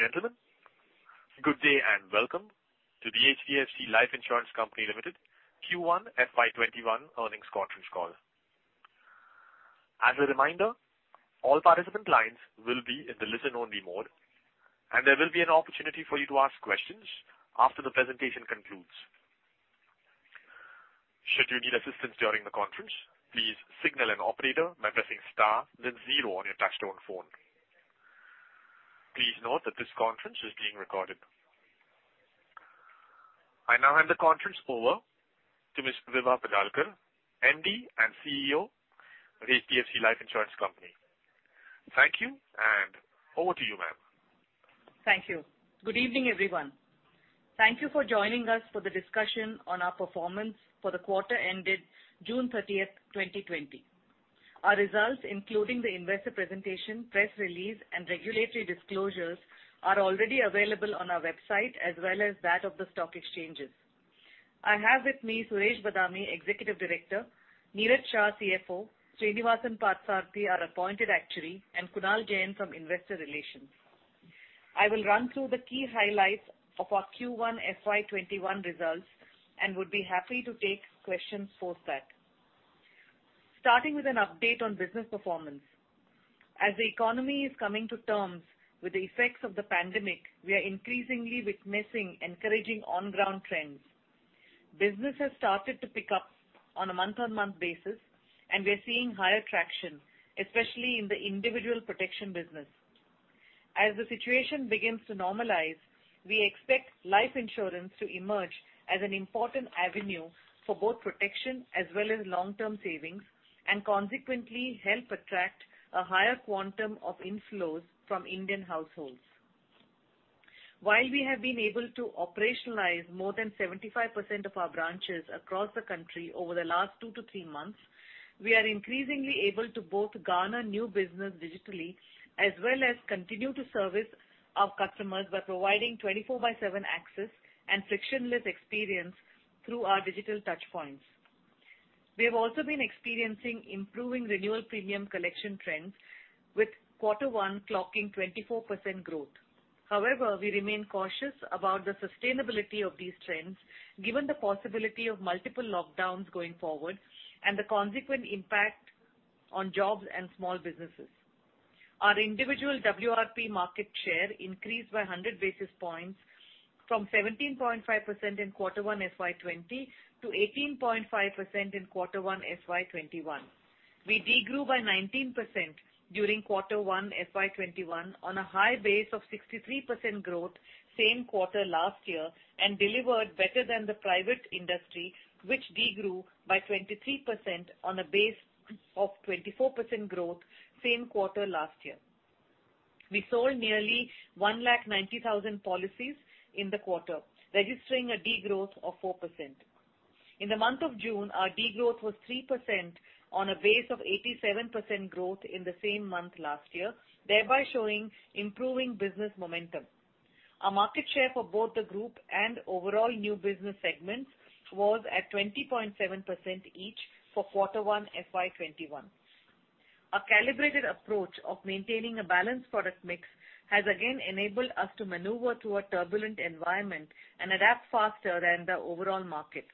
Ladies and gentlemen, good day and welcome to the HDFC Life Insurance Company Limited Q1 FY 2021 earnings conference call. As a reminder, all participant lines will be in the listen-only mode, and there will be an opportunity for you to ask questions after the presentation concludes. Should you need assistance during the conference, please signal an operator by pressing * then zero on your touch-tone phone. Please note that this conference is being recorded. I now hand the conference over to Ms. Vibha Padalkar, MD and CEO of HDFC Life Insurance Company. Thank you, and over to you, ma'am. Thank you. Good evening, everyone. Thank you for joining us for the discussion on our performance for the quarter ending June 30th, 2020. Our results, including the investor presentation, press release, and regulatory disclosures are already available on our website as well as that of the stock exchanges. I have with me Suresh Badami, Executive Director, Niraj Shah, CFO, Srinivasan Parthasarathy, our appointed actuary, and Kunal Jain from Investor Relations. I will run through the key highlights of our Q1 FY 2021 results and would be happy to take questions post that. Starting with an update on business performance. As the economy is coming to terms with the effects of the pandemic, we are increasingly witnessing encouraging on-ground trends. Business has started to pick up on a month-on-month basis, we are seeing higher traction, especially in the individual protection business. As the situation begins to normalize, we expect life insurance to emerge as an important avenue for both protection as well as long-term savings, consequently help attract a higher quantum of inflows from Indian households. While we have been able to operationalize more than 75% of our branches across the country over the last two to three months, we are increasingly able to both garner new business digitally as well as continue to service our customers by providing 24 by seven access and frictionless experience through our digital touchpoints. We have also been experiencing improving renewal premium collection trends, with quarter one clocking 24% growth. However, we remain cautious about the sustainability of these trends given the possibility of multiple lockdowns going forward and the consequent impact on jobs and small businesses. Our individual WRP market share increased by 100 basis points from 17.5% in quarter one FY 2020 to 18.5% in quarter one FY 2021. We de-grew by 19% during quarter one FY 2021 on a high base of 63% growth same quarter last year and delivered better than the private industry, which de-grew by 23% on a base of 24% growth same quarter last year. We sold nearly 190,000 policies in the quarter, registering a degrowth of 4%. In the month of June, our degrowth was 3% on a base of 87% growth in the same month last year, thereby showing improving business momentum. Our market share for both the group and overall new business segments was at 20.7% each for quarter one FY 2021. A calibrated approach of maintaining a balanced product mix has again enabled us to maneuver through a turbulent environment and adapt faster than the overall market.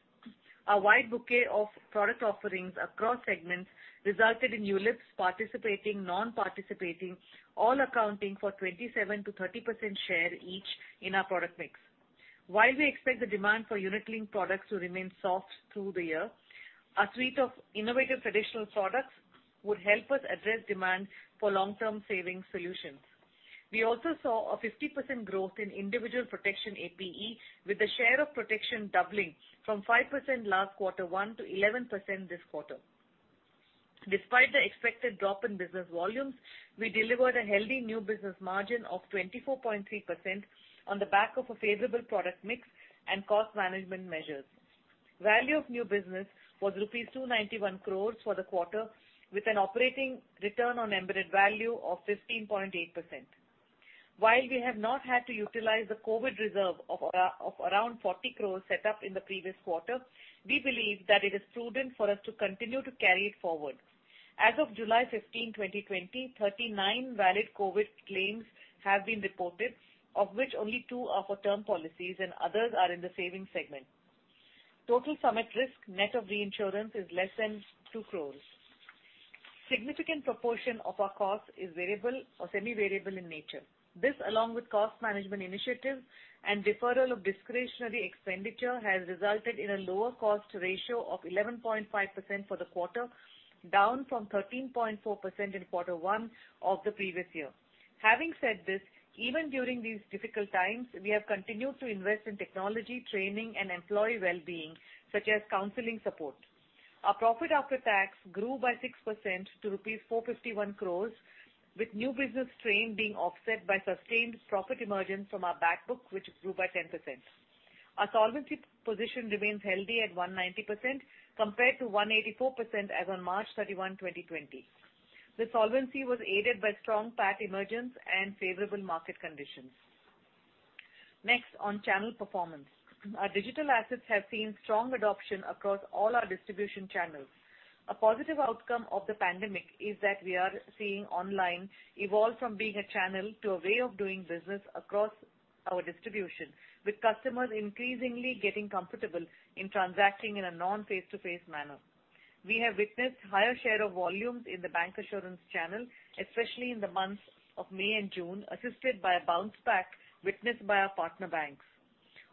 Our wide bouquet of product offerings across segments resulted in ULIPs participating, non-participating, all accounting for 27%-30% share each in our product mix. While we expect the demand for unit-linked products to remain soft through the year, our suite of innovative traditional products would help us address demand for long-term saving solutions. We also saw a 50% growth in individual protection APE with the share of protection doubling from 5% last quarter one to 11% this quarter. Despite the expected drop in business volumes, we delivered a healthy new business margin of 24.3% on the back of a favorable product mix and cost management measures. Value of new business was rupees 291 crores for the quarter, with an operating return on embedded value of 15.8%. While we have not had to utilize the COVID reserve of around 40 crores set up in the previous quarter, we believe that it is prudent for us to continue to carry it forward. As of July 15, 2020, 39 valid COVID claims have been reported, of which only two are for term policies and others are in the savings segment. Total sum at risk net of reinsurance is less than two crores. A significant proportion of our cost is variable or semi-variable in nature. This, along with cost management initiatives and deferral of discretionary expenditure, has resulted in a lower cost ratio of 11.5% for the quarter, down from 13.4% in quarter one of the previous year. Having said this, even during these difficult times, we have continued to invest in technology, training, and employee well-being, such as counseling support. Our profit after tax grew by 6% to rupees 451 crores, with new business strain being offset by sustained profit emergence from our back book, which grew by 10%. Our solvency position remains healthy at 190%, compared to 184% as on March 31, 2020. The solvency was aided by strong PAT emergence and favorable market conditions. Next on channel performance. Our digital assets have seen strong adoption across all our distribution channels. A positive outcome of the pandemic is that we are seeing online evolve from being a channel to a way of doing business across our distribution, with customers increasingly getting comfortable in transacting in a non-face-to-face manner. We have witnessed higher share of volumes in the bancassurance channel, especially in the months of May and June, assisted by a bounce back witnessed by our partner banks.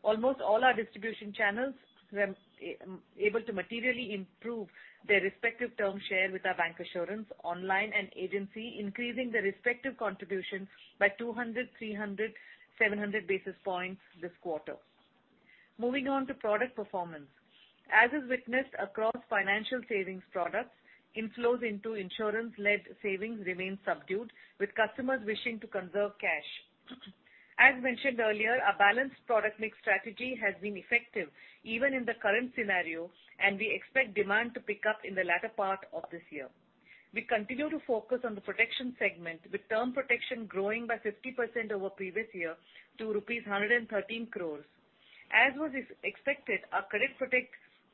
Almost all our distribution channels were able to materially improve their respective term share with our bank assurance online and agency, increasing the respective contributions by 200, 300, 700 basis points this quarter. Moving on to product performance. As is witnessed across financial savings products, inflows into insurance-led savings remain subdued, with customers wishing to conserve cash. As mentioned earlier, our balanced product mix strategy has been effective even in the current scenario, and we expect demand to pick up in the latter part of this year. We continue to focus on the protection segment, with term protection growing by 50% over previous year to rupees 113 crores. As was expected, our Credit Protect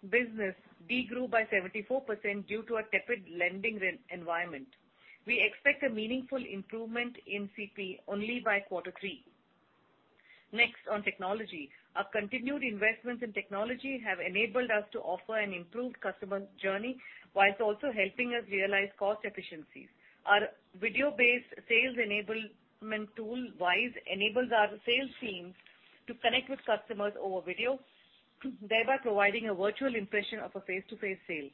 business de-grew by 74% due to a tepid lending environment. We expect a meaningful improvement in CP only by quarter 3. Next, on technology. Our continued investments in technology have enabled us to offer an improved customer journey whilst also helping us realize cost efficiencies. Our video-based sales enablement tool, Wise, enables our sales teams to connect with customers over video, thereby providing a virtual impression of a face-to-face sale.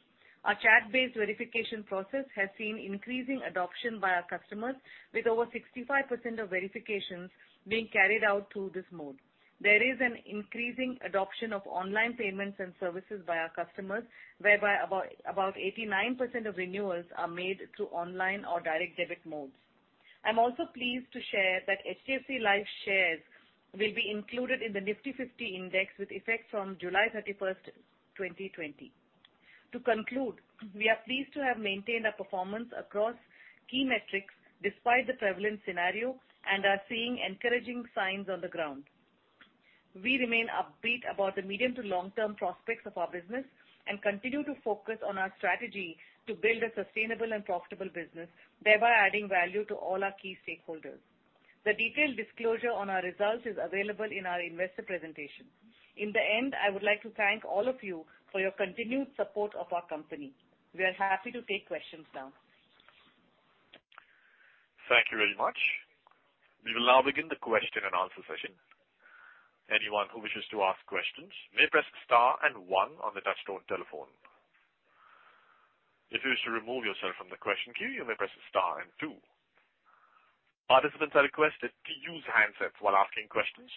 Our chat-based verification process has seen increasing adoption by our customers, with over 65% of verifications being carried out through this mode. There is an increasing adoption of online payments and services by our customers, whereby about 89% of renewals are made through online or direct debit modes. I'm also pleased to share that HDFC Life shares will be included in the Nifty 50 Index with effect from July 31st, 2020. To conclude, we are pleased to have maintained our performance across key metrics despite the prevalent scenario and are seeing encouraging signs on the ground. We remain upbeat about the medium to long-term prospects of our business and continue to focus on our strategy to build a sustainable and profitable business, thereby adding value to all our key stakeholders. The detailed disclosure on our results is available in our investor presentation. In the end, I would like to thank all of you for your continued support of our company. We are happy to take questions now. Thank you very much. We will now begin the question and answer session. Anyone who wishes to ask questions may press star and one on the touchtone telephone. If you wish to remove yourself from the question queue, you may press star and two. Participants are requested to use handsets while asking questions.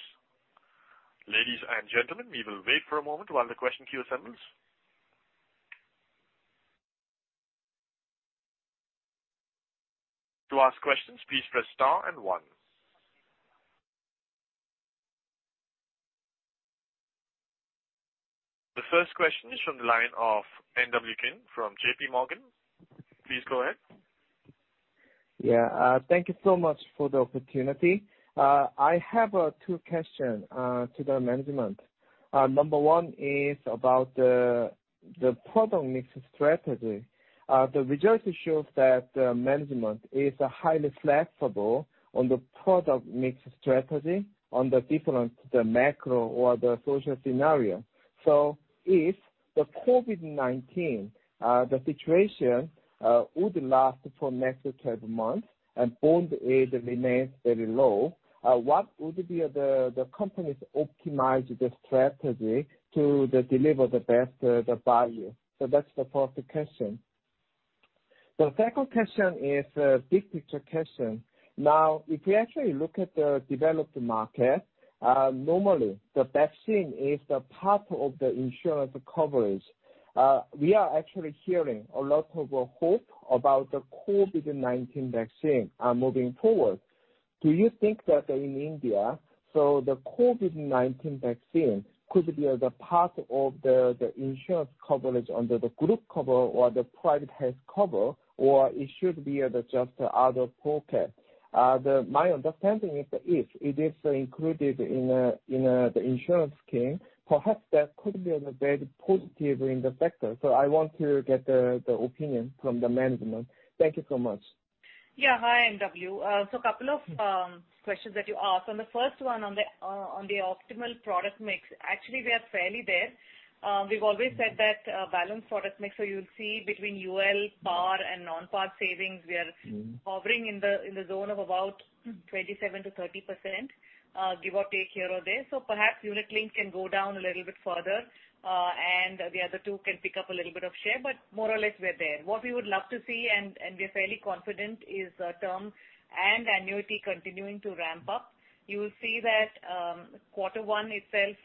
Ladies and gentlemen, we will wait for a moment while the question queue assembles. To ask questions, please press star and one. The first question is from the line of NW Kim from JP Morgan. Please go ahead. Thank you so much for the opportunity. I have two questions to the management. Number one is about the product mix strategy. The results show that management is highly flexible on the product mix strategy on the different macro or the social scenario. If the COVID-19 situation would last for next 12 months and bond yield remains very low, what would be the company's optimized strategy to deliver the best value? That's the first question. The second question is a big picture question. If we actually look at the developed market, normally the vaccine is the part of the insurance coverage. We are actually hearing a lot of hope about the COVID-19 vaccine moving forward. Do you think that in India, the COVID-19 vaccine could be the part of the insurance coverage under the group cover or the private health cover, or it should be just out of pocket? My understanding is if it is included in the insurance scheme, perhaps that could be a very positive in the sector. I want to get the opinion from the management. Thank you so much. Yeah. Hi, NW. Couple of questions that you asked. On the first one on the optimal product mix, actually, we are fairly there. We've always said that a balanced product mix. You'll see between UL, PAR, and non-PAR savings, we are hovering in the zone of about 27%-30%, give or take here or there. Perhaps unit link can go down a little bit further, and the other two can pick up a little bit of share, but more or less we're there. What we would love to see, and we are fairly confident, is term and annuity continuing to ramp up. You will see that quarter one itself,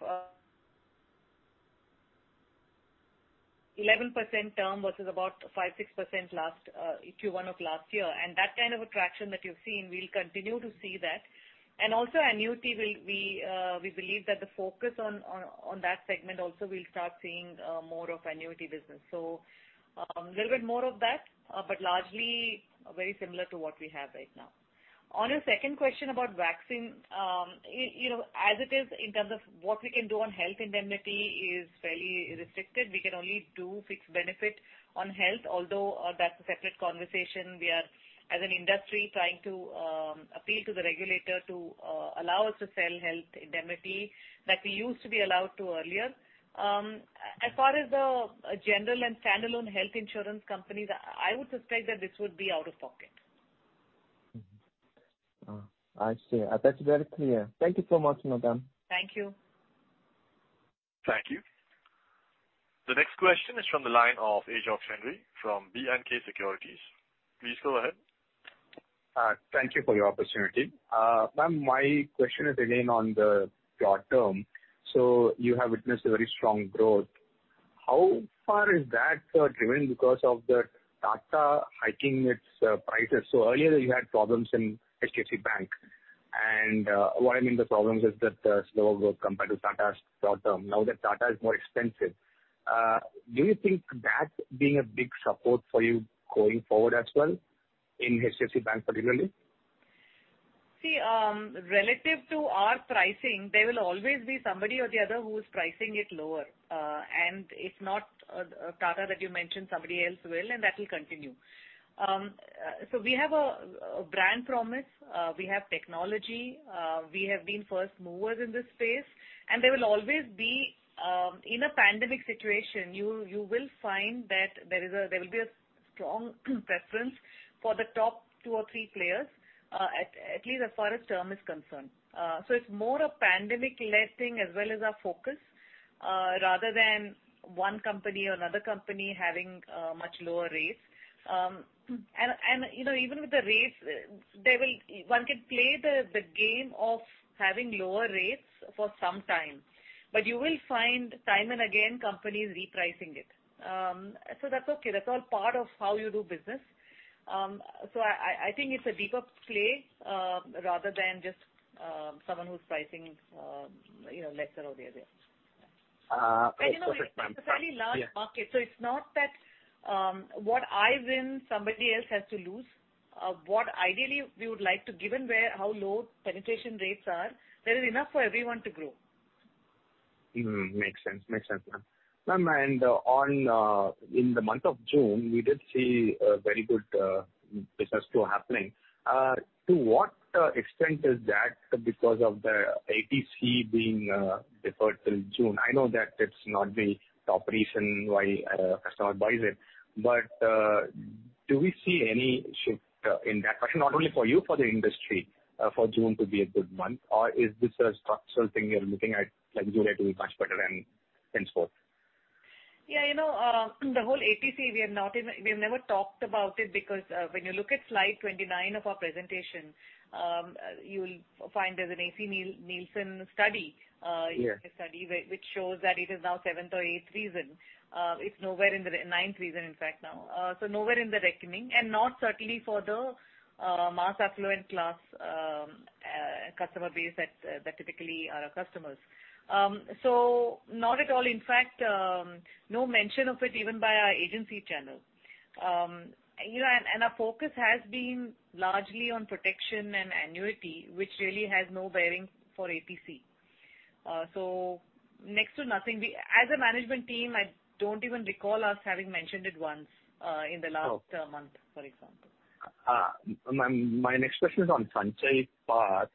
11% term versus about 5%, 6% Q1 of last year. That kind of attraction that you've seen, we'll continue to see that. Also annuity, we believe that the focus on that segment also, we'll start seeing more of annuity business. A little bit more of that, but largely very similar to what we have right now. On your second question about vaccine, as it is in terms of what we can do on health indemnity is fairly restricted. We can only do fixed benefit on health, although that's a separate conversation. We are, as an industry, trying to appeal to the regulator to allow us to sell health indemnity that we used to be allowed to earlier. As far as the general and standalone health insurance companies, I would suspect that this would be out of pocket. I see. That's very clear. Thank you so much, madam. Thank you. Thank you. The next question is from the line of Ashok Henry from B&K Securities. Please go ahead. Thank you for the opportunity. Ma'am, my question is again on the short term. You have witnessed a very strong growth. How far is that driven because of the Tata hiking its prices? Earlier you had problems in HDFC Bank and what I mean the problems is that slower growth compared to Tata's short term. Now that Tata is more expensive, do you think that being a big support for you going forward as well in HDFC Bank particularly? See, relative to our pricing, there will always be somebody or the other who is pricing it lower. If not Tata that you mentioned, somebody else will, and that will continue. We have a brand promise, we have technology, we have been first movers in this space, and in a pandemic situation, you will find that there will be a strong preference for the top two or three players, at least as far as term is concerned. It's more a pandemic-led thing as well as our focus, rather than one company or another company having much lower rates. Even with the rates, one can play the game of having lower rates for some time, but you will find time and again, companies repricing it. That's okay. That's all part of how you do business. I think it's a deeper play, rather than just someone who's pricing lesser over there. Perfect, ma'am. It's a fairly large market, so it's not that what I win, somebody else has to lose. What ideally we would like to, given how low penetration rates are, there is enough for everyone to grow. Makes sense, ma'am. Ma'am, in the month of June, we did see a very good business flow happening. To what extent is that because of the 80C being deferred till June? I know that it's not the top reason why a customer buys it, do we see any shift in that question, not only for you, for the industry for June to be a good month? Is this a structural thing you're looking at July to be much better and henceforth? Yeah. The whole APC, we have never talked about it because when you look at slide 29 of our presentation, you will find there's an AC Nielsen study. Yeah which shows that it is now seventh or eighth reason. Ninth reason in fact now. Nowhere in the reckoning and not certainly for the mass affluent class customer base that typically are our customers. Not at all. In fact, no mention of it even by our agency channel. Our focus has been largely on protection and annuity, which really has no bearing for APE. Next to nothing. As a management team, I don't even recall us having mentioned it once in the last month, for example. My next question is on Sanchay Par.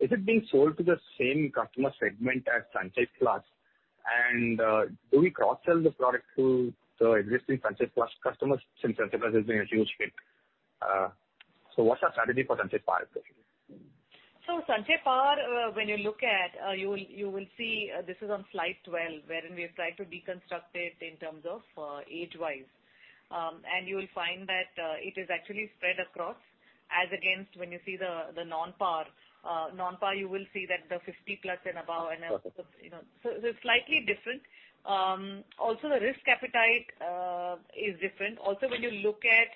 Is it being sold to the same customer segment as Sanchay Plus? Do we cross-sell the product to the existing Sanchay Plus customers since Sanchay Plus has been a huge hit? What's our strategy for Sanchay Par especially? Sanchay Par when you look at, you will see this is on slide 12 wherein we have tried to deconstruct it in terms of age-wise. You will find that it is actually spread across as against when you see the non-PAR. Non-PAR you will see that the 50+ and above. Slightly different. The risk appetite is different. When you look at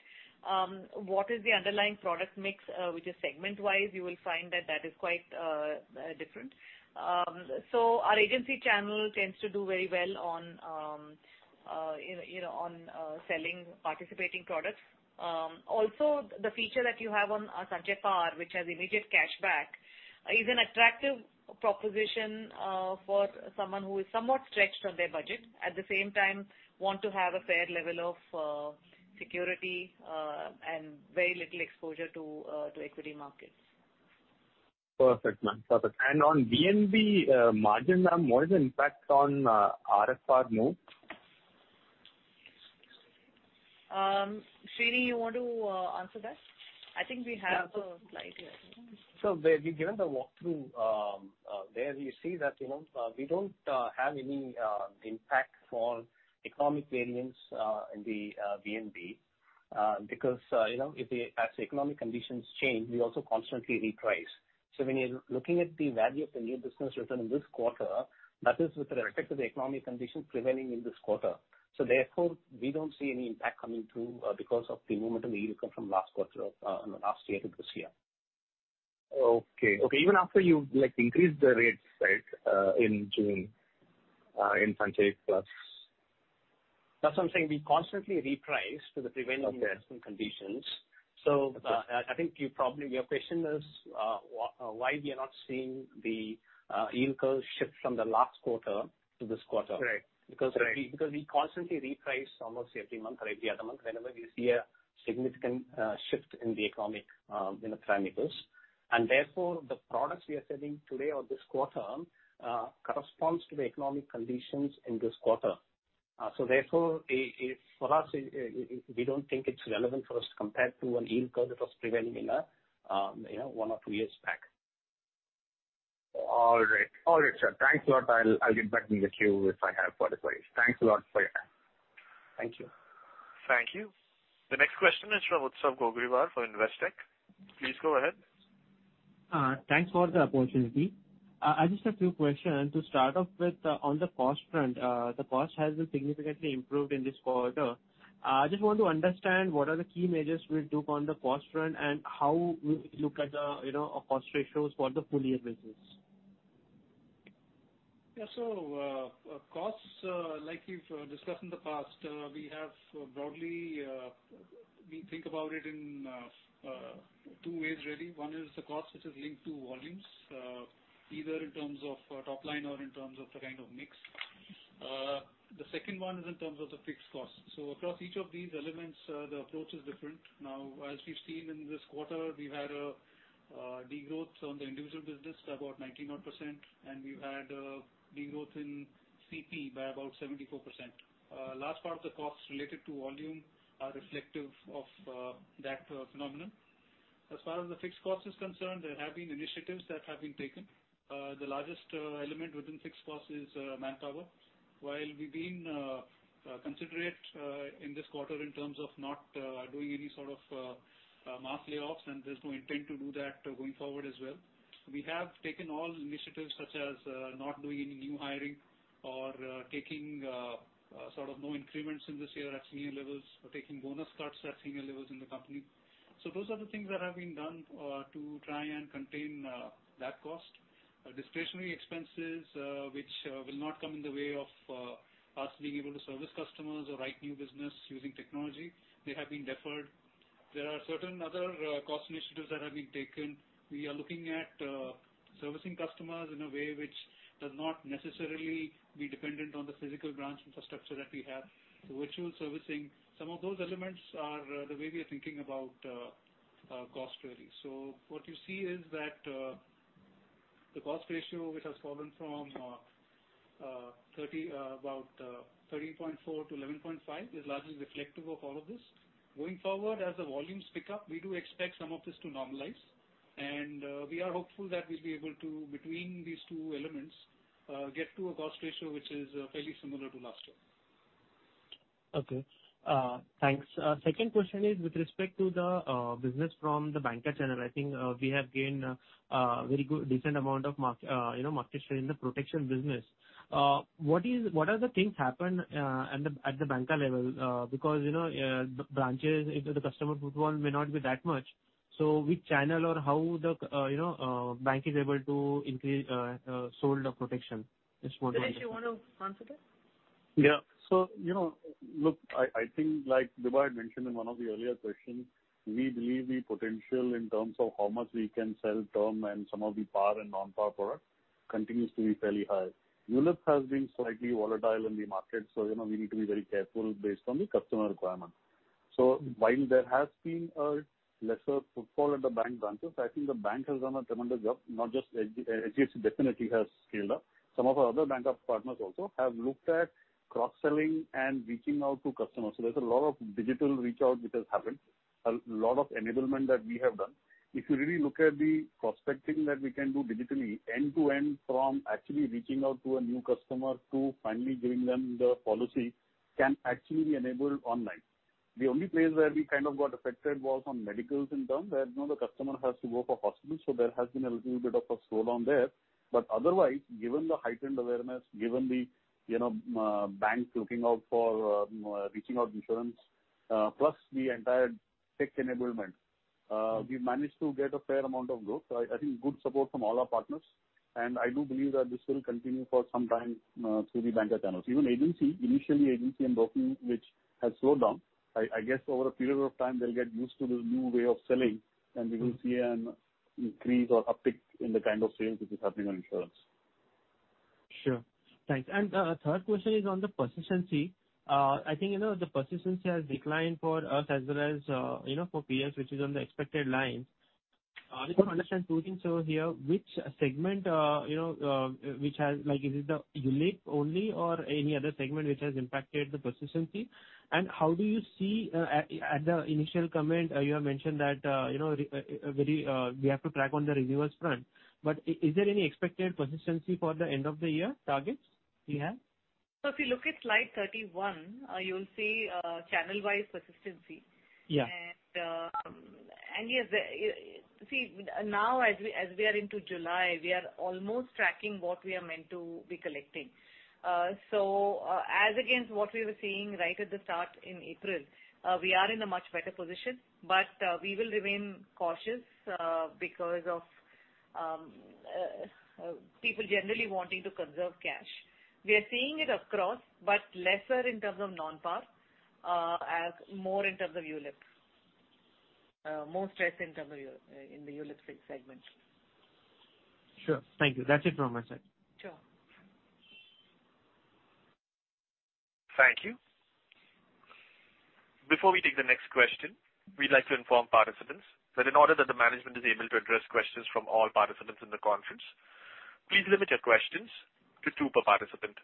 what is the underlying product mix which is segment-wise, you will find that that is quite different. Our agency channel tends to do very well on selling participating products. The feature that you have on Sanchay Par which has immediate cashback is an attractive proposition for someone who is somewhat stretched on their budget, at the same time want to have a fair level of security and very little exposure to equity markets. Perfect, ma'am. On VNB margin, ma'am, what is the impact on non-PAR? Srini, you want to answer that? I think we have a slide here. Given the walkthrough there you see that we don't have any impact for economic variance in the VNB because as economic conditions change, we also constantly reprice. When you're looking at the value of the new business written in this quarter, that is with respect to the economic conditions prevailing in this quarter. Therefore, we don't see any impact coming through because of the movement in yield from last quarter or last year to this year. Okay. Even after you increased the rates, right in June in Sanchay Plus. That's what I'm saying. We constantly reprice to the prevailing investment conditions. I think your question is why we are not seeing the yield curve shift from the last quarter to this quarter. Right. Because we constantly reprice almost every month or every other month whenever we see a significant shift in the economic fundamentals. Therefore, the products we are selling today or this quarter corresponds to the economic conditions in this quarter. Therefore, for us, we don't think it's relevant for us to compare to a yield curve that was prevailing one or two years back. All right, sir. Thanks a lot. I'll get back with you if I have further queries. Thanks a lot for your time. Thank you. Thank you. The next question is from Utsav Gogirwar for Investec. Please go ahead. Thanks for the opportunity. I just have two questions. To start off with, on the cost front, the cost has been significantly improved in this quarter. I just want to understand what are the key measures we took on the cost front and how we look at our cost ratios for the full year basis. Yeah. Costs, like we've discussed in the past, we think about it in two ways really. One is the cost which is linked to volumes, either in terms of top line or in terms of the kind of mix. The second one is in terms of the fixed cost. Across each of these elements, the approach is different. Now, as we've seen in this quarter, we've had a degrowth on the individual business of about 19%, and we've had a degrowth in CP by about 74%. Last part of the costs related to volume are reflective of that phenomenon. As far as the fixed cost is concerned, there have been initiatives that have been taken. The largest element within fixed cost is manpower. While we've been considerate in this quarter in terms of not doing any sort of mass layoffs, and there's no intent to do that going forward as well, we have taken all initiatives such as not doing any new hiring or taking no increments in this year at senior levels or taking bonus cuts at senior levels in the company. Those are the things that have been done to try and contain that cost. Discretionary expenses which will not come in the way of us being able to service customers or write new business using technology, they have been deferred. There are certain other cost initiatives that have been taken. We are looking at servicing customers in a way which does not necessarily be dependent on the physical branch infrastructure that we have. The virtual servicing, some of those elements are the way we are thinking about cost really. What you see is that the cost ratio, which has fallen from about 13.4 to 11.5, is largely reflective of all of this. Going forward, as the volumes pick up, we do expect some of this to normalize, and we are hopeful that we'll be able to, between these two elements, get to a cost ratio which is fairly similar to last year. Okay. Thanks. Second question is with respect to the business from the banca channel. I think we have gained a very decent amount of market share in the protection business. What are the things happening at the banca level because the branches, if the customer footfall may not be that much, so which channel or how the bank is able to sell the protection? Dinesh, you want to answer this? Look, I think like Vibha had mentioned in one of the earlier questions, we believe the potential in terms of how much we can sell term and some of the PAR and non-PAR product continues to be fairly high. ULIP has been slightly volatile in the market, we need to be very careful based on the customer requirement. While there has been a lesser footfall at the bank branches, I think the bank has done a tremendous job, not just HDFC Life definitely has scaled up. Some of our other bank partners also have looked at cross-selling and reaching out to customers. There's a lot of digital reach out which has happened, a lot of enablement that we have done. If you really look at the prospecting that we can do digitally end-to-end from actually reaching out to a new customer to finally giving them the policy can actually be enabled online. The only place where we kind of got affected was on medicals in terms where the customer has to go for hospital. There has been a little bit of a slowdown there. Otherwise, given the heightened awareness, given the banks looking out for reaching out insurance, plus the entire tech enablement, we've managed to get a fair amount of growth. I think good support from all our partners. I do believe that this will continue for some time through the banker channels. Even agency, initially agency and broking, which has slowed down, I guess over a period of time, they'll get used to this new way of selling, and we will see an increase or uptick in the kind of sales which is happening on insurance. Sure. Thanks. Third question is on the persistency. I think the persistency has declined for us as well as for peers, which is on the expected lines. I just want to understand two things over here. Which segment, is it the ULIP only or any other segment which has impacted the persistency? How do you see at the initial comment you have mentioned that we have to track on the renewals front. Is there any expected persistency for the end of the year targets we have? If you look at slide 31, you'll see channel-wise persistency. Yeah. Yes. See, now as we are into July, we are almost tracking what we are meant to be collecting. As against what we were seeing right at the start in April, we are in a much better position. We will remain cautious because of people generally wanting to conserve cash. We are seeing it across, but lesser in terms of non-PAR, as more in terms of ULIP. More stress in the ULIP segment. Sure. Thank you. That's it from my side. Sure. Thank you. Before we take the next question, we would like to inform participants that in order that the management is able to address questions from all participants in the conference, please limit your questions to two per participant.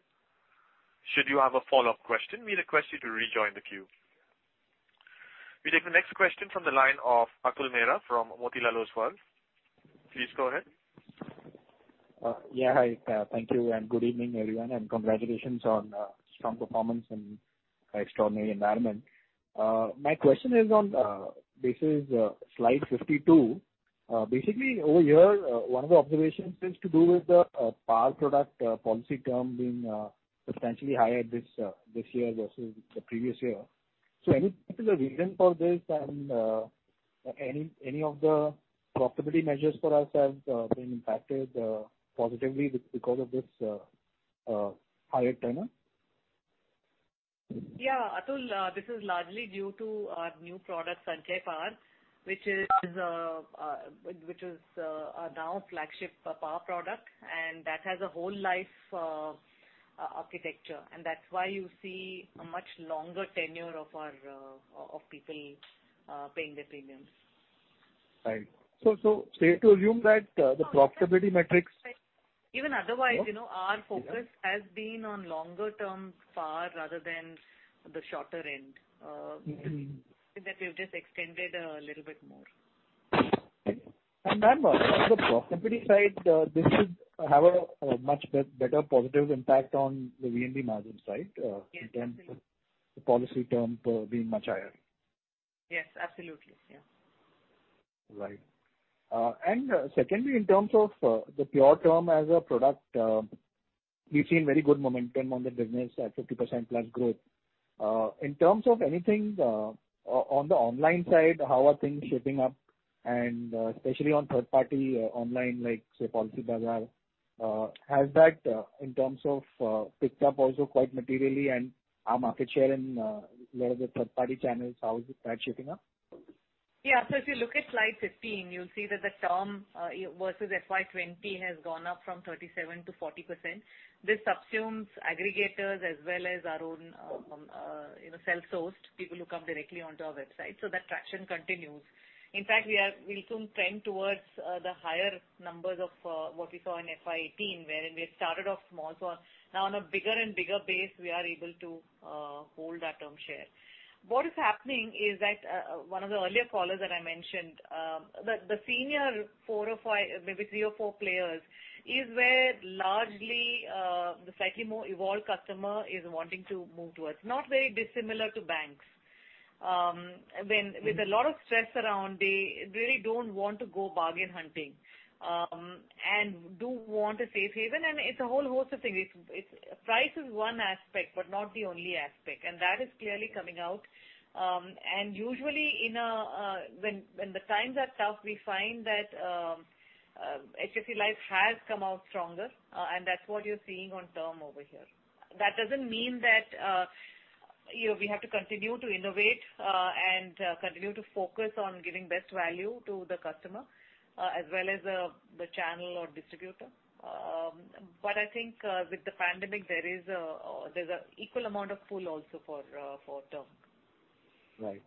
Should you have a follow-up question, we request you to rejoin the queue. We take the next question from the line of Atul Mehra from Motilal Oswal. Please go ahead. Hi. Thank you, and good evening, everyone, and congratulations on a strong performance in an extraordinary environment. My question is on, this is slide 52. Basically, over here, one of the observations is to do with the PAR product policy term being substantially higher this year versus the previous year. Any particular reason for this and any of the profitability measures for ourselves being impacted positively because of this higher tenure? Yeah, Atul, this is largely due to our new product, Sanchay Par, which is now a flagship PAR product. That has a whole life architecture. That's why you see a much longer tenure of people paying their premiums. Right. Safe to assume that the profitability metrics. Even otherwise, our focus has been on longer term PAR rather than the shorter end. We've just extended a little bit more. Ma'am, on the profitability side this should have a much better positive impact on the VNB margin side. Yes in terms of the policy term being much higher. Yes, absolutely. Yeah. Right. Secondly, in terms of the pure term as a product, we've seen very good momentum on the business at 50% plus growth. In terms of anything on the online side, how are things shaping up, and especially on third party online, like, say, Policybazaar, has that in terms of picked up also quite materially and our market share in a lot of the third-party channels, how is that shaping up? If you look at slide 15, you'll see that the term versus FY 2020 has gone up from 37% to 40%. This subsumes aggregators as well as our own self-sourced people who come directly onto our website. That traction continues. In fact, we'll soon trend towards the higher numbers of what we saw in FY 2018, wherein we had started off small. Now on a bigger and bigger base, we are able to hold that term share. What is happening is that one of the earlier callers that I mentioned, the senior four or five, maybe three or four players, is where largely the slightly more evolved customer is wanting to move towards. Not very dissimilar to banks. With a lot of stress around, they really don't want to go bargain hunting and do want a safe haven, and it's a whole host of things. Price is one aspect, but not the only aspect, and that is clearly coming out. Usually when the times are tough, we find that HDFC Life has come out stronger, and that's what you're seeing on term over here. That doesn't mean that we have to continue to innovate and continue to focus on giving best value to the customer as well as the channel or distributor. I think with the pandemic, there's an equal amount of pull also for term. Right.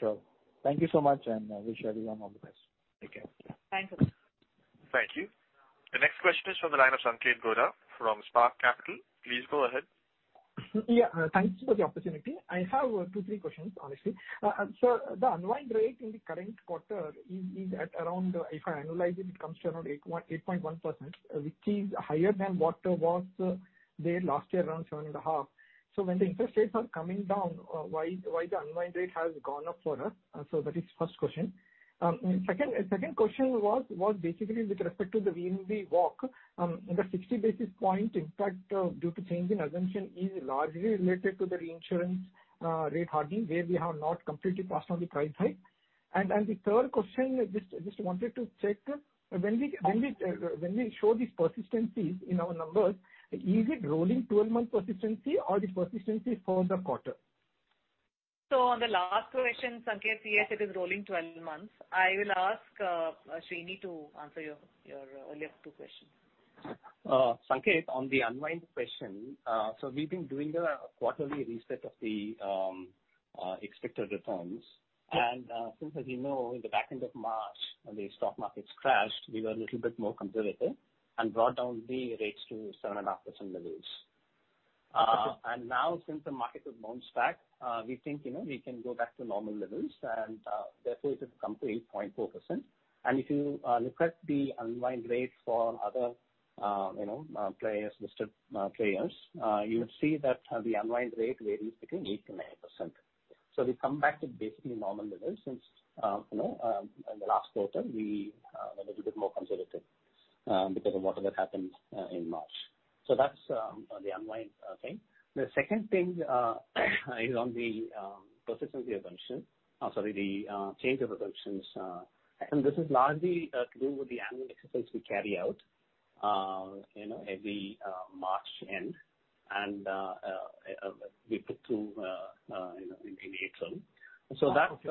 Sure. Thank you so much and wish you all the best. Take care. Thanks, Atul. Thank you. The next question is from the line of Sanketh Godha from Spark Capital. Please go ahead. Yeah. Thanks for the opportunity. I have two, three questions, honestly. The unwind rate in the current quarter is at around, if I analyze it comes to around 8.1%, which is higher than what was there last year, around 7.5%. When the interest rates are coming down, why the unwind rate has gone up for us? That is first question. Second question was basically with respect to the VNB walk. The 60 basis point impact due to change in assumption is largely related to the reinsurance rate hardening where we have not completely passed on the price hike. The third question, just wanted to check when we show these persistencies in our numbers, is it rolling 12-month persistency or the persistency for the quarter? On the last question, Sanketh, yes, it is rolling 12 months. I will ask Srini to answer your earlier two questions. Sanketh, on the unwind question, we've been doing the quarterly reset of the expected returns. Since, as you know, in the back end of March, when the stock markets crashed, we were a little bit more conservative and brought down the rates to 7.5% levels. Now since the market has bounced back, we think we can go back to normal levels and therefore it is a complete 0.4%. If you look at the unwind rate for other listed players you would see that the unwind rate varies between 8%-9%. We've come back to basically normal levels since in the last quarter, we were a little bit more conservative because of whatever happened in March. That's the underlying thing. The second thing is on the persistency assumption. Sorry, the change of assumptions. This is largely to do with the annual exercise we carry out every March end, and we put through in April. Okay.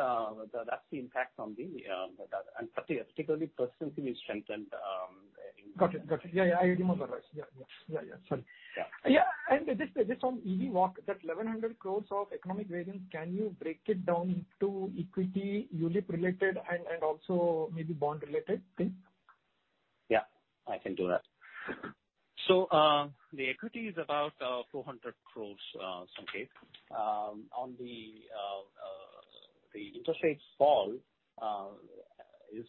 That's the impact on the data, and particularly persistency is strengthened. Got it. Yeah, I remember. Yeah. Sorry. Yeah. Yeah. Just on EV Walk, that 1,100 crore of economic variance, can you break it down into equity, ULIP related, and also maybe bond related thing? Yeah, I can do that. The equity is about 400 crore, Sanket. On the interest rates fall is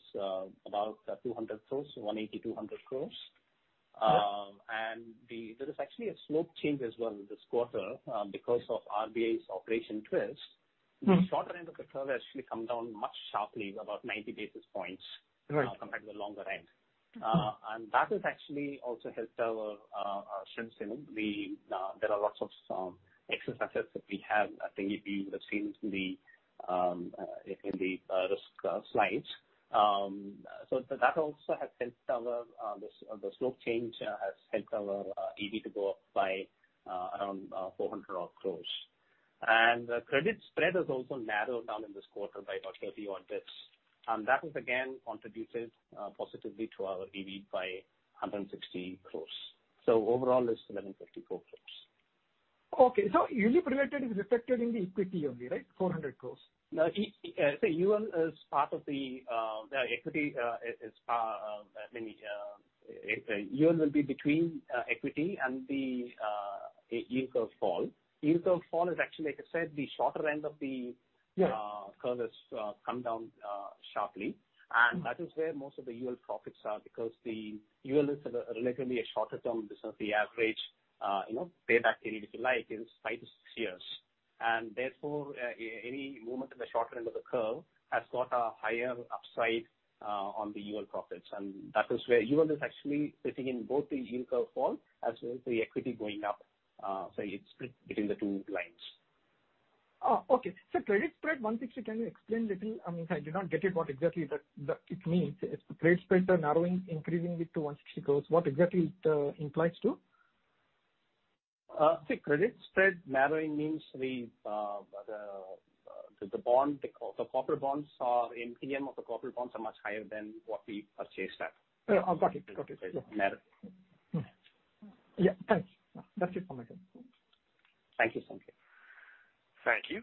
about 200 crore, 180 crore-200 crore. Right. There is actually a slope change as well in this quarter because of RBI's Operation Twist. The shorter end of the curve has actually come down much sharply, about 90 basis points. Right compared to the longer end. Okay. That has actually also helped our strengths. There are lots of excess assets that we have. I think you would have seen in the risk slides. That also has helped our, the slope change has helped our EV to go up by around 400 odd crores. The credit spread has also narrowed down in this quarter by about 30 odd basis points. That has again, contributed positively to our EV by 160 crores. Overall, it's 1,154 crores. Okay. ULIP related is reflected in the equity only, right? 400 crore. No. UL is part of the equity. UL will be between equity and the yield curve fall. Yield curve fall is actually, like I said, the shorter end of. Yeah curve has come down sharply. That is where most of the UL profits are because the UL is relatively a shorter-term business. The average payback period, if you like, is five to six years. Therefore, any movement in the short end of the curve has got a higher upside on the UL profits. That is where UL is actually sitting in both the yield curve fall as well as the equity going up. It's split between the two lines. Okay. Credit spread 160. Can you explain a little? I mean, I did not get it, what exactly that it means. If the credit spreads are narrowing, increasing it to 160 crores, what exactly it implies to? See, credit spread narrowing means the bond, the coupon bonds are in premium of the corporate bonds are much higher than what we purchased at. Yeah, I've got it. Narrow. Yeah, thanks. That's it from my end. Thank you, Sanket. Thank you.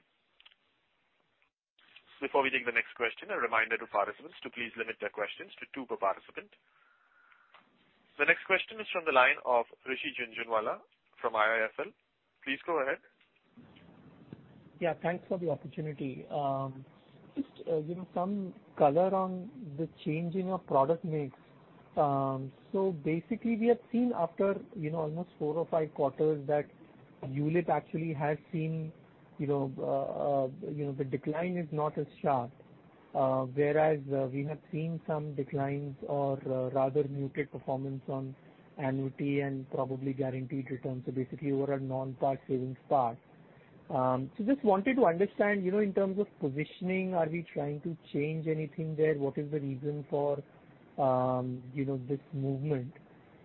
Before we take the next question, a reminder to participants to please limit their questions to two per participant. The next question is from the line of Rishi Jhunjhunwala from IIFL. Please go ahead. Yeah, thanks for the opportunity. Just some color on the change in your product mix. Basically, we have seen after almost four or five quarters that ULIP actually has seen the decline is not as sharp. Whereas we have seen some declines or rather muted performance on annuity and probably guaranteed returns. Basically over a non-PAR savings PAR. Just wanted to understand, in terms of positioning, are we trying to change anything there? What is the reason for this movement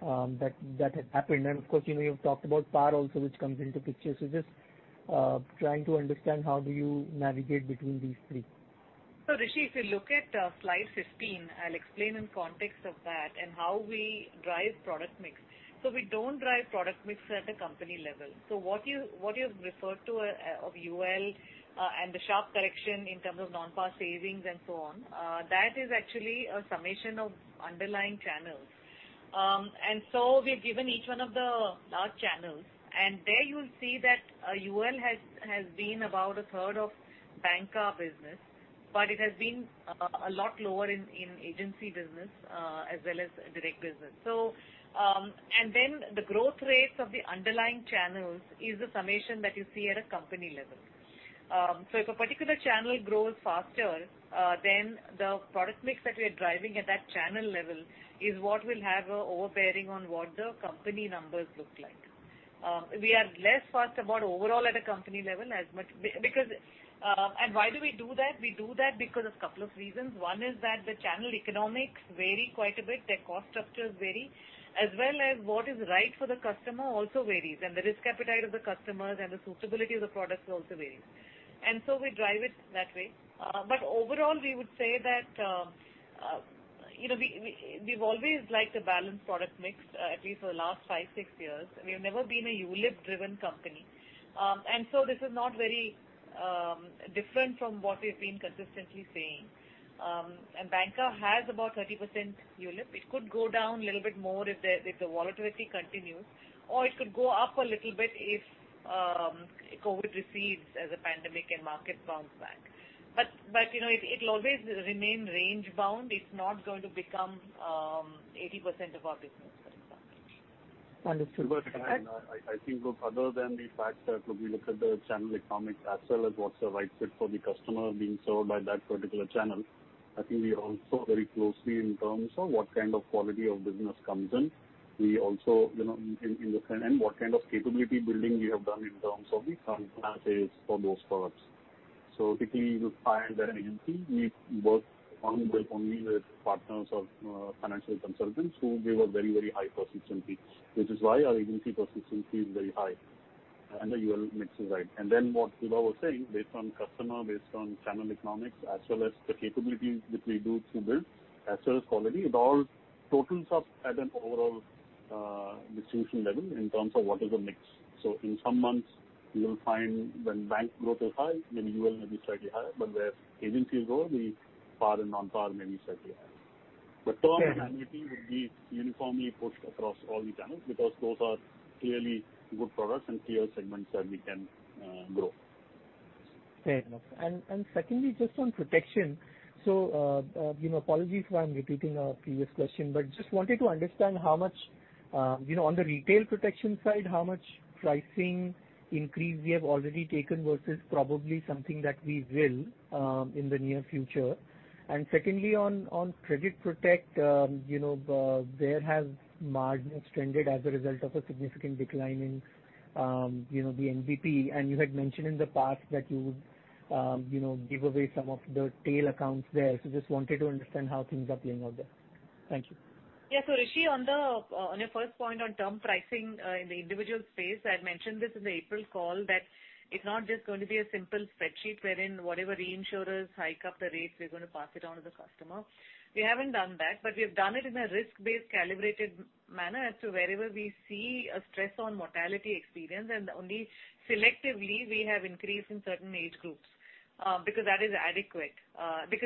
that had happened? Of course, you've talked about PAR also, which comes into picture. Just trying to understand how do you navigate between these three. Rishi, if you look at slide 15, I'll explain in context of that and how we drive product mix. We don't drive product mix at a company level. What you've referred to of UL and the sharp correction in terms of non-PAR savings and so on, that is actually a summation of underlying channels. We've given each one of the large channels, and there you'll see that UL has been about a third of bancassurance business, but it has been a lot lower in agency business as well as direct business. The growth rates of the underlying channels is the summation that you see at a company level. If a particular channel grows faster, then the product mix that we're driving at that channel level is what will have an overbearing on what the company numbers look like. We are less fussed about overall at a company level. Why do we do that? We do that because of a couple of reasons. One is that the channel economics vary quite a bit. Their cost structures vary, as well as what is right for the customer also varies. The risk appetite of the customers and the suitability of the products also varies. We drive it that way. Overall, we would say that we've always liked a balanced product mix, at least for the last five, six years. We have never been a ULIP-driven company. This is not very different from what we've been consistently saying. Bancassurance has about 30% ULIP. It could go down a little bit more if the volatility continues, or it could go up a little bit if COVID-19 recedes as a pandemic and market bounce back. It'll always remain range bound. It's not going to become 80% of our business, for example. Understood. I think, look, other than the fact that when we look at the channel economics as well as what's the right fit for the customer being served by that particular channel. I think we also very closely in terms of what kind of quality of business comes in. What kind of capability building we have done in terms of the front classes for those products. If we look at an agency, we work only with partners of financial consultants who give a very, very high persistency, which is why our agency persistency is very high and the UL mix is right. What Vibha was saying, based on customer, based on channel economics, as well as the capabilities which we do through this, as well as quality, it all totals up at an overall distribution level in terms of what is the mix. In some months you'll find when bank growth is high, then UL may be slightly higher, but where agency growth, the PAR and non-PAR may be slightly higher. Term and agency would be uniformly pushed across all the channels because those are clearly good products and clear segments that we can grow. Fair enough. Secondly, just on protection. Apologies if I'm repeating a previous question, but just wanted to understand how much on the retail protection side, how much pricing increase we have already taken versus probably something that we will in the near future. Secondly, on Credit Protect, there has margin extended as a result of a significant decline in the NBP, and you had mentioned in the past that you would give away some of the tail accounts there. Just wanted to understand how things are playing out there. Thank you. Rishi, on your first point on term pricing in the individual space, I had mentioned this in the April call that it's not just going to be a simple spreadsheet wherein whatever reinsurers hike up the rates, we're going to pass it on to the customer. We haven't done that, we've done it in a risk-based calibrated manner as to wherever we see a stress on mortality experience and only selectively we have increased in certain age groups because that is adequate.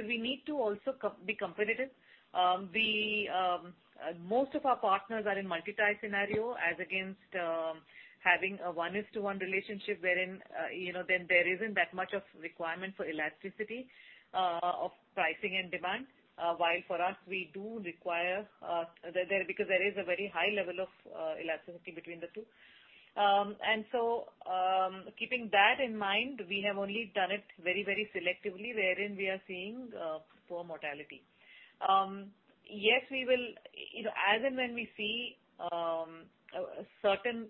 We need to also be competitive. Most of our partners are in multi-tie scenario as against having a one-to-one relationship wherein then there isn't that much of requirement for elasticity of pricing and demand. For us, we do require because there is a very high level of elasticity between the two. Keeping that in mind, we have only done it very, very selectively wherein we are seeing poor mortality. Yes, as and when we see certain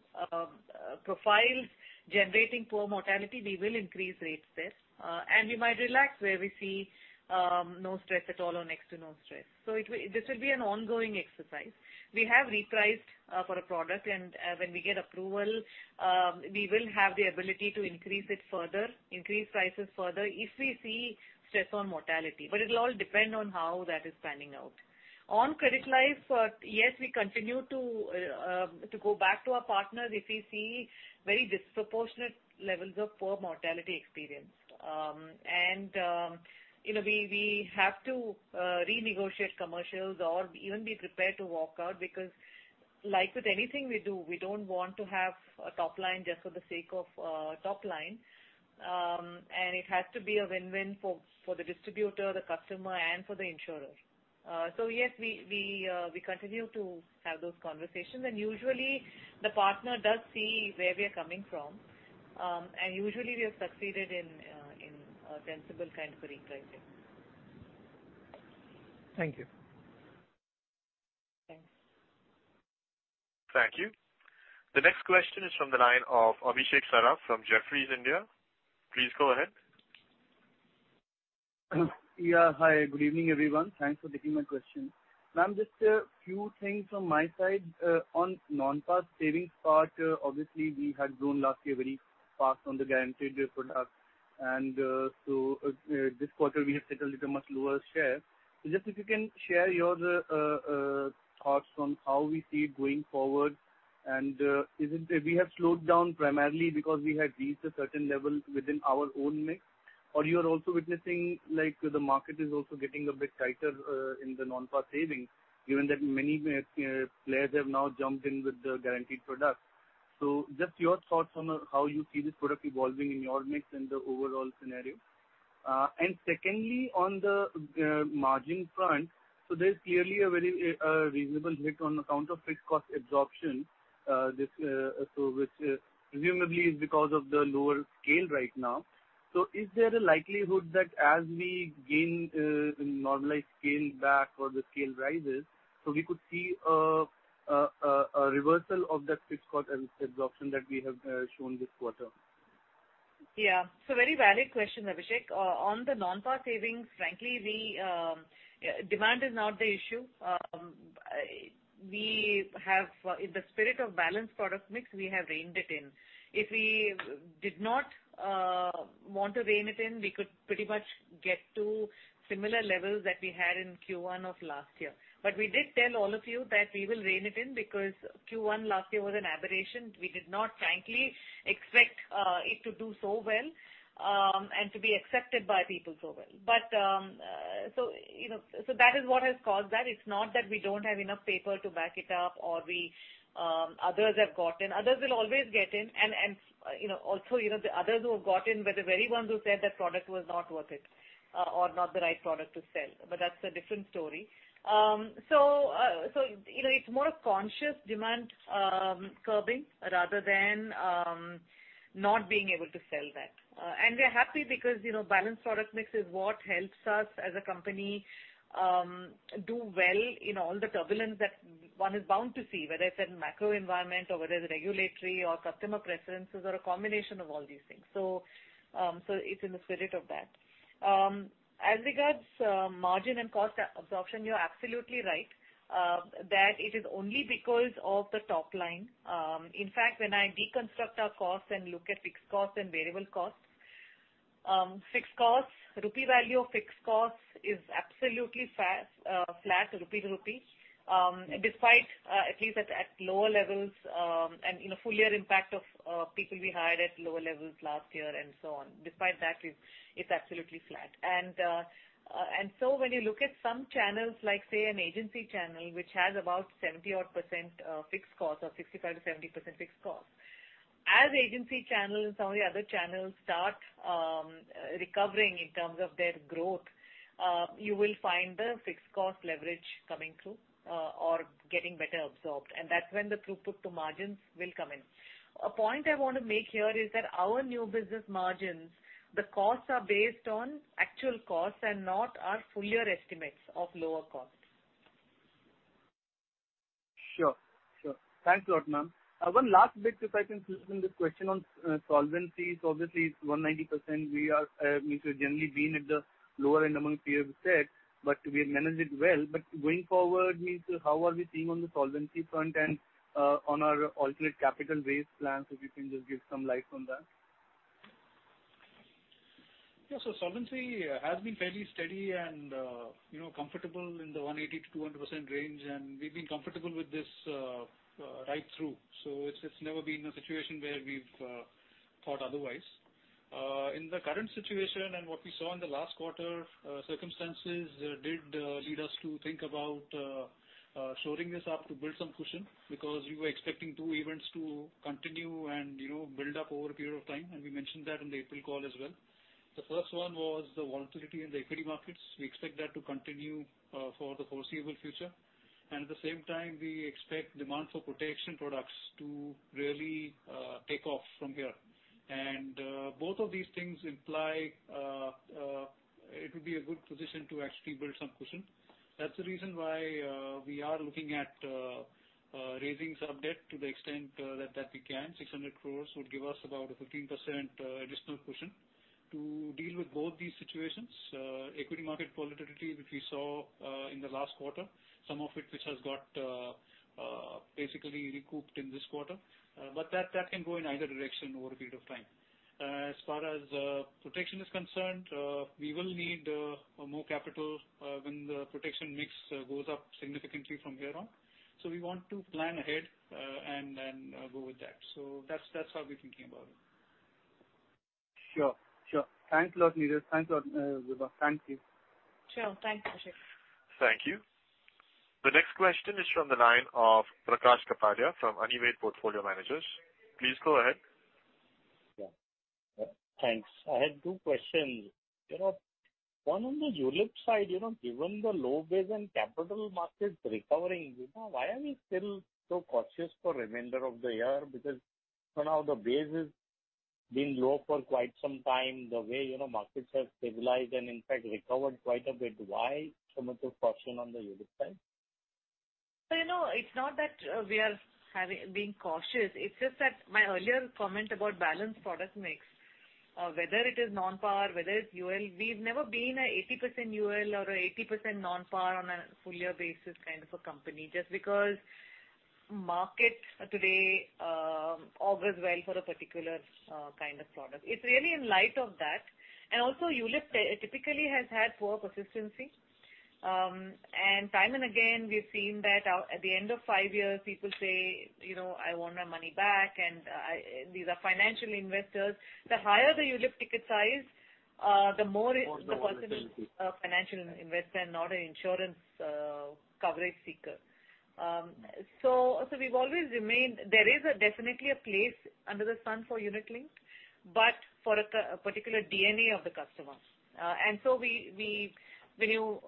profiles generating poor mortality, we will increase rates there. We might relax where we see no stress at all or next to no stress. This will be an ongoing exercise. We have repriced for a product, and when we get approval, we will have the ability to increase prices further if we see stress on mortality. It'll all depend on how that is panning out. On Credit Life, yes, we continue to go back to our partners if we see very disproportionate levels of poor mortality experience. We have to renegotiate commercials or even be prepared to walk out because like with anything we do, we don't want to have a top line just for the sake of top line. It has to be a win-win for the distributor, the customer, and for the insurer. Yes, we continue to have those conversations, and usually the partner does see where we're coming from. Usually we have succeeded in a sensible kind of repricing. Thank you. Thanks. Thank you. The next question is from the line of Abhishek Saraf from Jefferies India. Please go ahead. Yeah. Hi, good evening, everyone. Thanks for taking my question. Ma'am, just a few things from my side. On non-PAR savings part, obviously we had grown last year very fast on the guaranteed product, this quarter we have set a little much lower share. Just if you can share your thoughts on how we see it going forward, and we have slowed down primarily because we had reached a certain level within our own mix, or you are also witnessing the market is also getting a bit tighter in the non-PAR savings given that many players have now jumped in with the guaranteed product. Just your thoughts on how you see this product evolving in your mix and the overall scenario. Secondly, on the margin front. There's clearly a very reasonable hit on account of fixed cost absorption, which presumably is because of the lower scale right now. Is there a likelihood that as we gain normalized scale back or the scale rises, so we could see a reversal of that fixed cost absorption that we have shown this quarter? Yeah. It's a very valid question, Abhishek. On the non-PAR savings, frankly, demand is not the issue. In the spirit of balanced product mix, we have reined it in. If we did not want to rein it in, we could pretty much get to similar levels that we had in Q1 of last year. We did tell all of you that we will rein it in because Q1 last year was an aberration. We did not frankly expect it to do so well and to be accepted by people so well. That is what has caused that. It's not that we don't have enough paper to back it up or others have got in. Others will always get in, also the others who have got in were the very ones who said that product was not worth it or not the right product to sell. That's a different story. It's more a conscious demand curbing rather than not being able to sell that. We are happy because balanced product mix is what helps us as a company do well in all the turbulence that one is bound to see, whether it's in macro environment or whether it's regulatory or customer preferences, or a combination of all these things. It's in the spirit of that. As regards margin and cost absorption, you're absolutely right, that it is only because of the top line. In fact, when I deconstruct our costs and look at fixed costs and variable costs. Rupee value of fixed costs is absolutely flat rupee to rupee. At least at lower levels, and full year impact of people we hired at lower levels last year and so on. Despite that, it's absolutely flat. When you look at some channels, like say an agency channel, which has about 70 odd % fixed costs or 65%-70% fixed costs. As agency channels and some of the other channels start recovering in terms of their growth, you will find the fixed cost leverage coming through or getting better absorbed, and that's when the throughput to margins will come in. A point I want to make here is that our new business margins, the costs are based on actual costs and not our full year estimates of lower costs. Sure. Thanks a lot, ma'am. One last bit, if I can close in this question on solvency. Obviously it's 190%. We have generally been at the lower end among peer set, but we've managed it well. Going forward, how are we seeing on the solvency front and on our alternate capital base plan? If you can just give some light on that. Yeah. Solvency has been fairly steady and comfortable in the 180%-200% range, and we've been comfortable with this right through. It's never been a situation where we've thought otherwise. In the current situation and what we saw in the last quarter, circumstances did lead us to think about shoring this up to build some cushion, because we were expecting two events to continue and build up over a period of time, and we mentioned that in the April call as well. The first one was the volatility in the equity markets. We expect that to continue for the foreseeable future. At the same time, we expect demand for protection products to really take off from here. Both of these things imply it would be a good position to actually build some cushion. That's the reason why we are looking at raising some debt to the extent that we can. 600 crore would give us about a 15% additional cushion to deal with both these situations. Equity market volatility, which we saw in the last quarter, some of it which has got basically recouped in this quarter. That can go in either direction over a period of time. As far as protection is concerned, we will need more capital when the protection mix goes up significantly from here on. We want to plan ahead and go with that. That's how we're thinking about it. Sure. Thanks a lot, Niraj. Thanks a lot, Vibha. Thank you. Sure. Thanks, Ashish. Thank you. The next question is from the line of Prakash Kapadia from Anived Portfolio Managers. Please go ahead. Yeah. Thanks. I had two questions. One on the ULIP side, given the low base and capital markets recovering, why are we still so cautious for remainder of the year? Because for now the base has been low for quite some time, the way markets have stabilized and in fact recovered quite a bit. Why so much of caution on the ULIP side? It's not that we are being cautious. It's just that my earlier comment about balanced product mix, whether it is non-PAR, whether it's UL, we've never been a 80% UL or a 80% non-PAR on a full year basis kind of a company, just because market today augurs well for a particular kind of product. It's really in light of that. Also ULIP typically has had poor persistency. Time and again, we've seen that at the end of five years, people say, "I want my money back," and these are financial investors. The higher the ULIP ticket size, the person is a financial investor, not an insurance coverage seeker. We've always remained. There is definitely a place under the sun for unit link, for a particular DNA of the customer. When you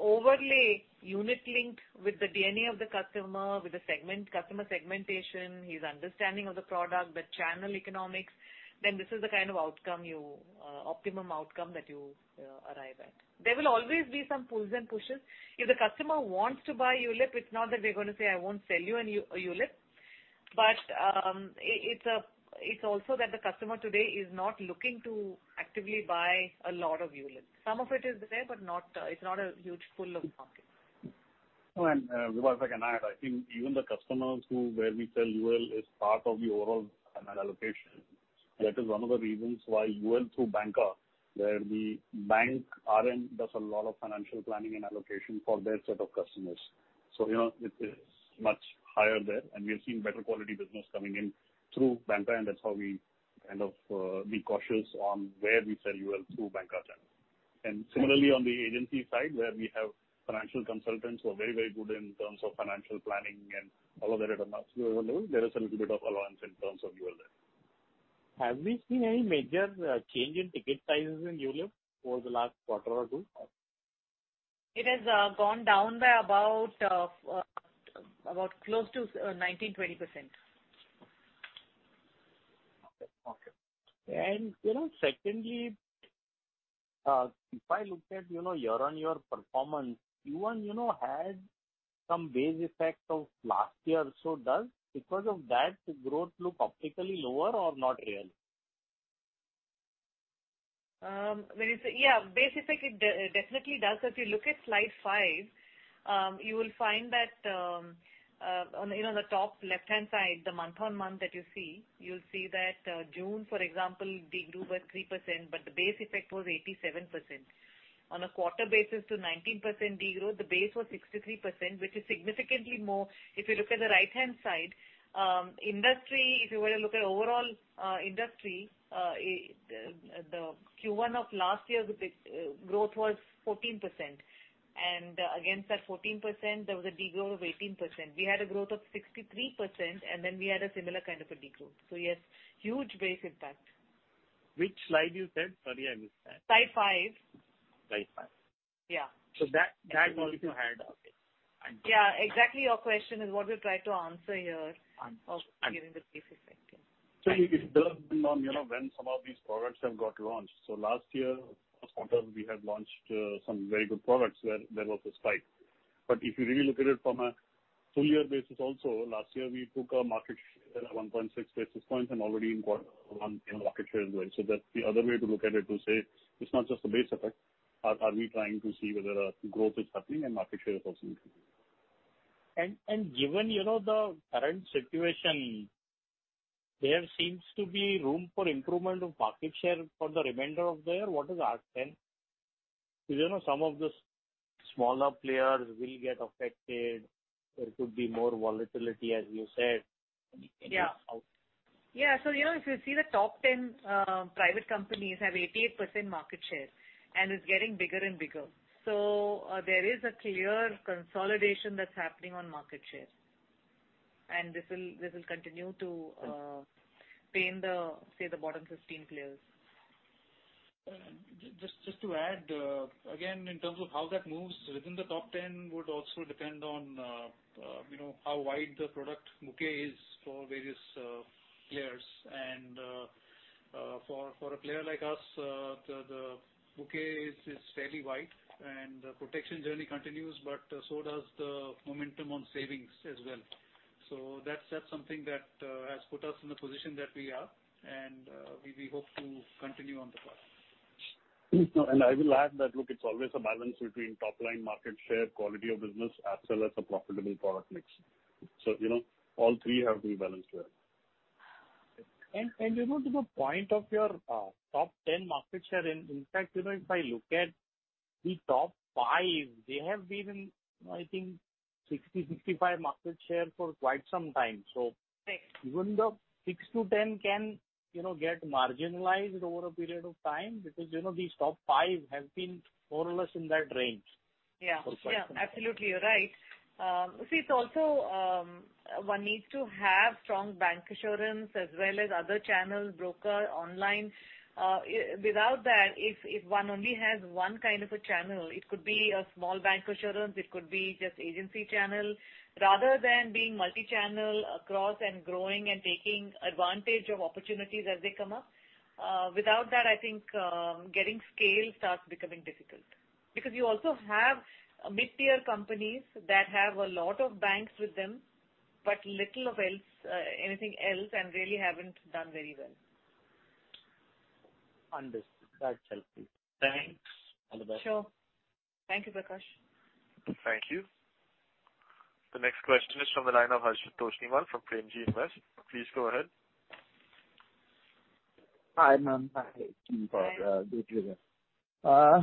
overlay unit link with the DNA of the customer, with the customer segmentation, his understanding of the product, the channel economics, then this is the optimum outcome that you arrive at. There will always be some pulls and pushes. If the customer wants to buy ULIP, it's not that we're going to say, "I won't sell you an ULIP." It's also that the customer today is not looking to actively buy a lot of ULIP. Some of it is there, but it's not a huge pull of market. No, Vibha, if I can add, I think even the customers who, where we sell UL is part of the overall allocation. That is one of the reasons why UL through Bancassurance, where the bank RM does a lot of financial planning and allocation for their set of customers. It is much higher there, We've seen better quality business coming in through Bancassurance, That's how we kind of be cautious on where we sell UL through Bancassurance. Similarly, on the agency side, where we have financial consultants who are very good in terms of financial planning and all of that at a mass level, there is a little bit of allowance in terms of UL there. Have we seen any major change in ticket sizes in ULIP over the last quarter or two? It has gone down by about close to 19%-20%. Okay. Secondly, if I look at year-on-year performance, Q1 had some base effects of last year. Does, because of that, the growth look optically lower or not real? Base effect, it definitely does. If you look at slide five, you will find that on the top left-hand side, the month on month that you see, you'll see that June, for example, de-grew by 3%, but the base effect was 87%. On a quarter basis to 19% de-growth, the base was 63%, which is significantly more. If you look at the right-hand side, if you were to look at overall industry, the Q1 of last year, the growth was 14%. Against that 14%, there was a de-growth of 18%. We had a growth of 63%, and then we had a similar kind of a de-growth. Yes, huge base impact. Which slide you said? Sorry, I missed that. Slide five. Slide five. Yeah. That also had. Okay. Yeah, exactly your question is what we're trying to answer here of giving the base effect. Yeah. It does depend on when some of these products have got launched. Last year, a quarter we had launched some very good products where there was a spike. If you really look at it from a full year basis also, last year we took a market share at 1.6 basis points and already in quarter 1 market share as well. That's the other way to look at it, to say it's not just the base effect. Are we trying to see whether growth is happening and market share is also increasing. Given the current situation, there seems to be room for improvement of market share for the remainder of the year. What is our sense? Because some of the smaller players will get affected. There could be more volatility, as you said. Can you help? Yeah. If you see the top 10 private companies have 88% market share, and it's getting bigger and bigger. There is a clear consolidation that's happening on market share. This will continue to pain the, say the bottom 15 players. Just to add, again, in terms of how that moves within the top 10 would also depend on how wide the product bouquet is for various players. For a player like us, the bouquet is fairly wide and the protection journey continues, but so does the momentum on savings as well. That's something that has put us in the position that we are and we hope to continue on the path. I will add that, look, it is always a balance between top line market share, quality of business, as well as a profitable product mix. All three have to be balanced well. To the point of your top 10 market share, in fact, if I look at the top 5, they have been, I think 60%, 65% market share for quite some time. Even though 6 to 10 can get marginalized over a period of time because these top 5 have been more or less in that range. Yeah, absolutely. You're right. See, it's also one needs to have strong bank assurance as well as other channels, broker, online. Without that, if one only has one kind of a channel, it could be a small bank assurance, it could be just agency channel, rather than being multi-channel across and growing and taking advantage of opportunities as they come up. Without that, I think getting scale starts becoming difficult. You also have mid-tier companies that have a lot of banks with them, but little of anything else and really haven't done very well. Understood. That's helpful. Thanks. All the best. Sure. Thank you, Prakash. Thank you. The next question is from the line of Harshit Toshniwal from Premji Invest. Please go ahead. Hi, ma'am. Hi. Hi.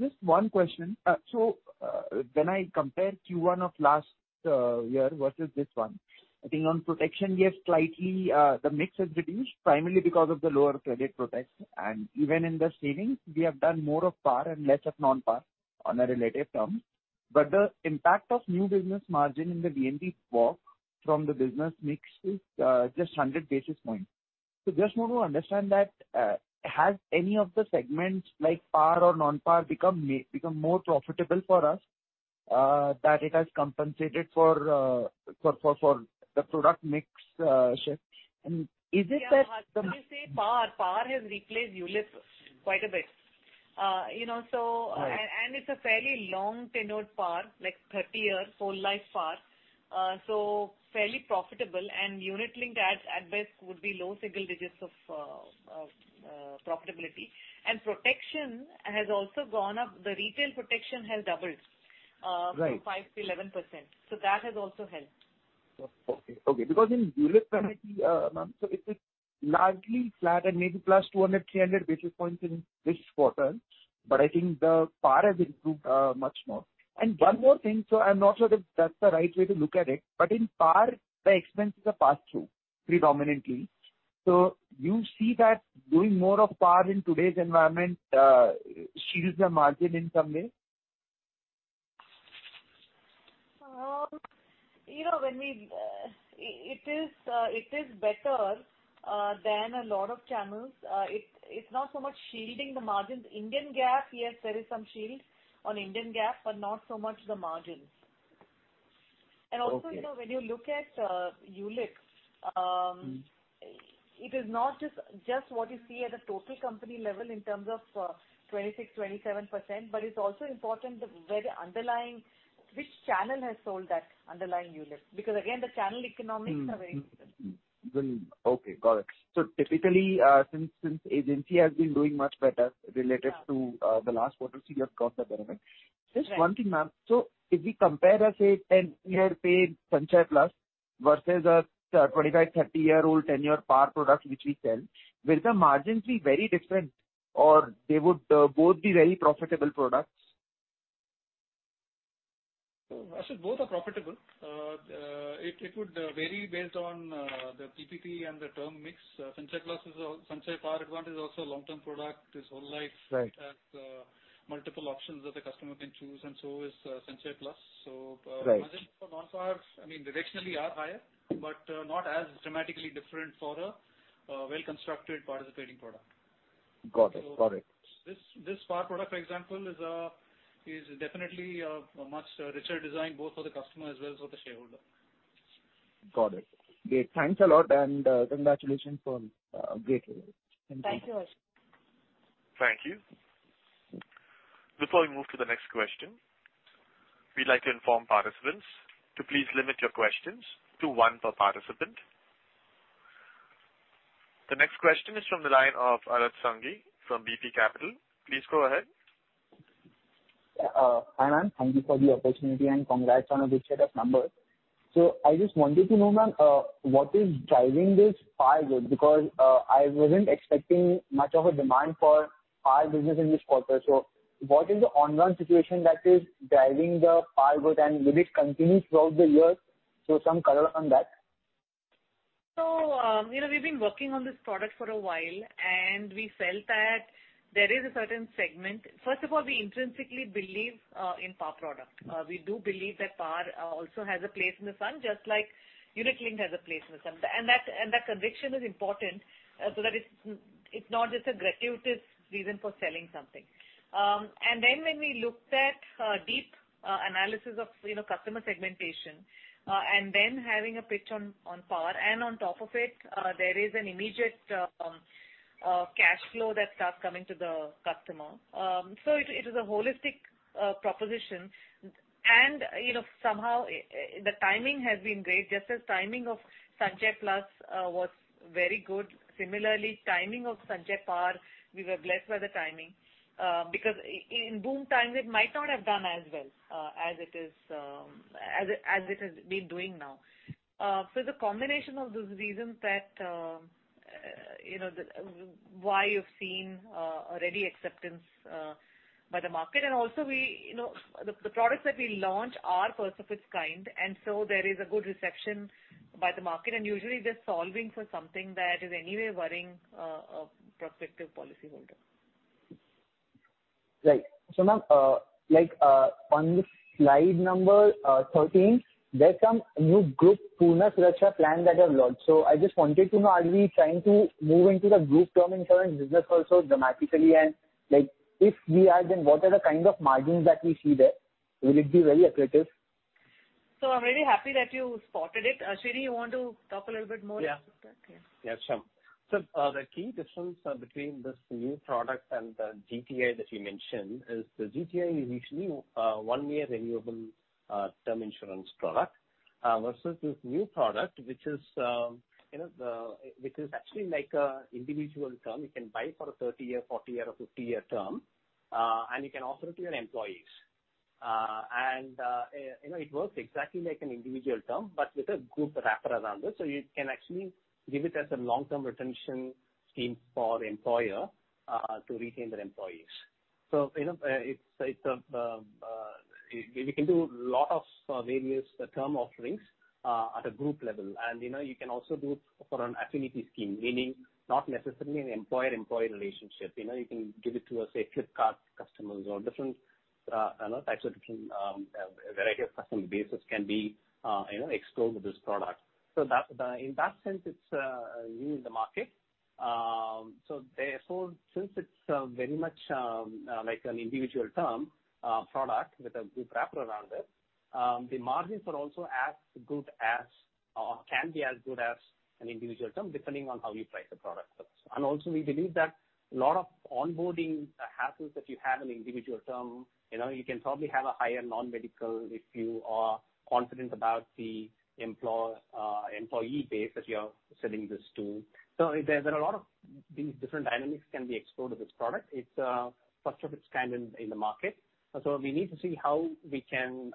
Just one question. When I compare Q1 of last year versus this one, I think on protection we have slightly, the mix has reduced primarily because of the lower Credit Protect. Even in the savings, we have done more of PAR and less of non-PAR on a relative term. The impact of new business margin in the VNB walk from the business mix is just 100 basis points. Just want to understand that has any of the segments like PAR or non-PAR become more profitable for us that it has compensated for the product mix shift? Is it that the- Yeah. You say PAR has replaced ULIP quite a bit. Right. It's a fairly long tenured PAR, like 30 years, whole life PAR, fairly profitable and unit linked at best would be low single digits of profitability. Protection has also gone up. The retail protection has doubled. Right from 5%-11%. That has also helped. Okay. In ULIP, ma'am, it is largely flat and maybe plus 200, 300 basis points in this quarter. I think the PAR has improved much more. One more thing, I'm not sure if that's the right way to look at it. In PAR, the expenses are passed through predominantly. You see that doing more of PAR in today's environment shields the margin in some way? It is better than a lot of channels. It's not so much shielding the margins. Indian GAAP, yes, there is some shield on Indian GAAP, but not so much the margins. Okay. Also when you look at ULIPs, it is not just what you see at a total company level in terms of 26%, 27%, but it's also important where which channel has sold that underlying ULIPs. Again, the channel economics are very different. Okay, got it. Typically, since agency has been doing much better relative to the last quarter, you have got the benefit. Right. Just one thing, ma'am. If we compare a say, 10-year paid Sanchay Plus versus a 25, 30-year-old tenure PAR product which we sell, will the margins be very different or they would both be very profitable products? Ashwin, both are profitable. It would vary based on the PPP and the term mix. Sanchay Par Advantage is also a long-term product, it's whole life. Right. It has multiple options that the customer can choose and so is Sanchay Plus. Right. Margins for non-PAR, directionally are higher, but not as dramatically different for a well-constructed participating product. Got it. This PAR product, for example, is definitely a much richer design both for the customer as well as for the shareholder. Got it. Great. Thanks a lot. Congratulations on great results. Thank you, Ashwin. Thank you. Before we move to the next question, we'd like to inform participants to please limit your questions to one per participant. The next question is from the line of Adarsh Sangi from BP Capital. Please go ahead. Hi, ma'am. Thank you for the opportunity and congrats on a good set of numbers. I just wanted to know, ma'am, what is driving this PAR growth, because I wasn't expecting much of a demand for PAR business in this quarter. What is the ongoing situation that is driving the PAR growth and will it continue throughout the year? Some color on that. We've been working on this product for a while, and we felt that there is a certain segment. First of all, we intrinsically believe in PAR product. We do believe that PAR also has a place in the sun, just like unit link has a place in the sun. That conviction is important so that it's not just a gratuitous reason for selling something. When we looked at deep analysis of customer segmentation and then having a pitch on PAR, and on top of it there is an immediate cash flow that starts coming to the customer. It is a holistic proposition and somehow the timing has been great. Just as timing of Sanchay Plus was very good, similarly timing of Sanchay Par, we were blessed by the timing because in boom times it might not have done as well as it has been doing now. It's a combination of those reasons why you've seen a ready acceptance by the market. Also the products that we launch are first of its kind, and so there is a good reception by the market and usually they're solving for something that is anyway worrying a prospective policyholder. Right. Ma'am, on this slide number 13, there's some new group plans that you have launched. I just wanted to know, are we trying to move into the group term insurance business also dramatically? If we are, then what are the kind of margins that we see there? Will it be very accretive? I'm really happy that you spotted it. Srini, you want to talk a little bit more about that? Yeah. Sure. The key difference between this new product and the GTA that you mentioned is the GTA is usually a one-year renewable term insurance product versus this new product, which is actually like an individual term. You can buy for a 30-year, 40-year or 50-year term and you can offer it to your employees. It works exactly like an individual term, but with a group wrapper around it. You can actually give it as a long-term retention scheme for employer to retain their employees. We can do lot of various term offerings at a group level. You can also do for an affinity scheme, meaning not necessarily an employer-employee relationship. You can give it to, say, Flipkart customers or different types of different varieties of customer bases can be explored with this product. In that sense, it's new in the market. Since it's very much like an individual term product with a group wrapper around it, the margins are also as good as or can be as good as an individual term depending on how you price the product first. Also we believe that a lot of onboarding hassles that you have in individual term, you can probably have a higher non-medical if you are confident about the employee base that you are selling this to. There's a lot of these different dynamics can be explored with this product. It's first of its kind in the market. We need to see how we can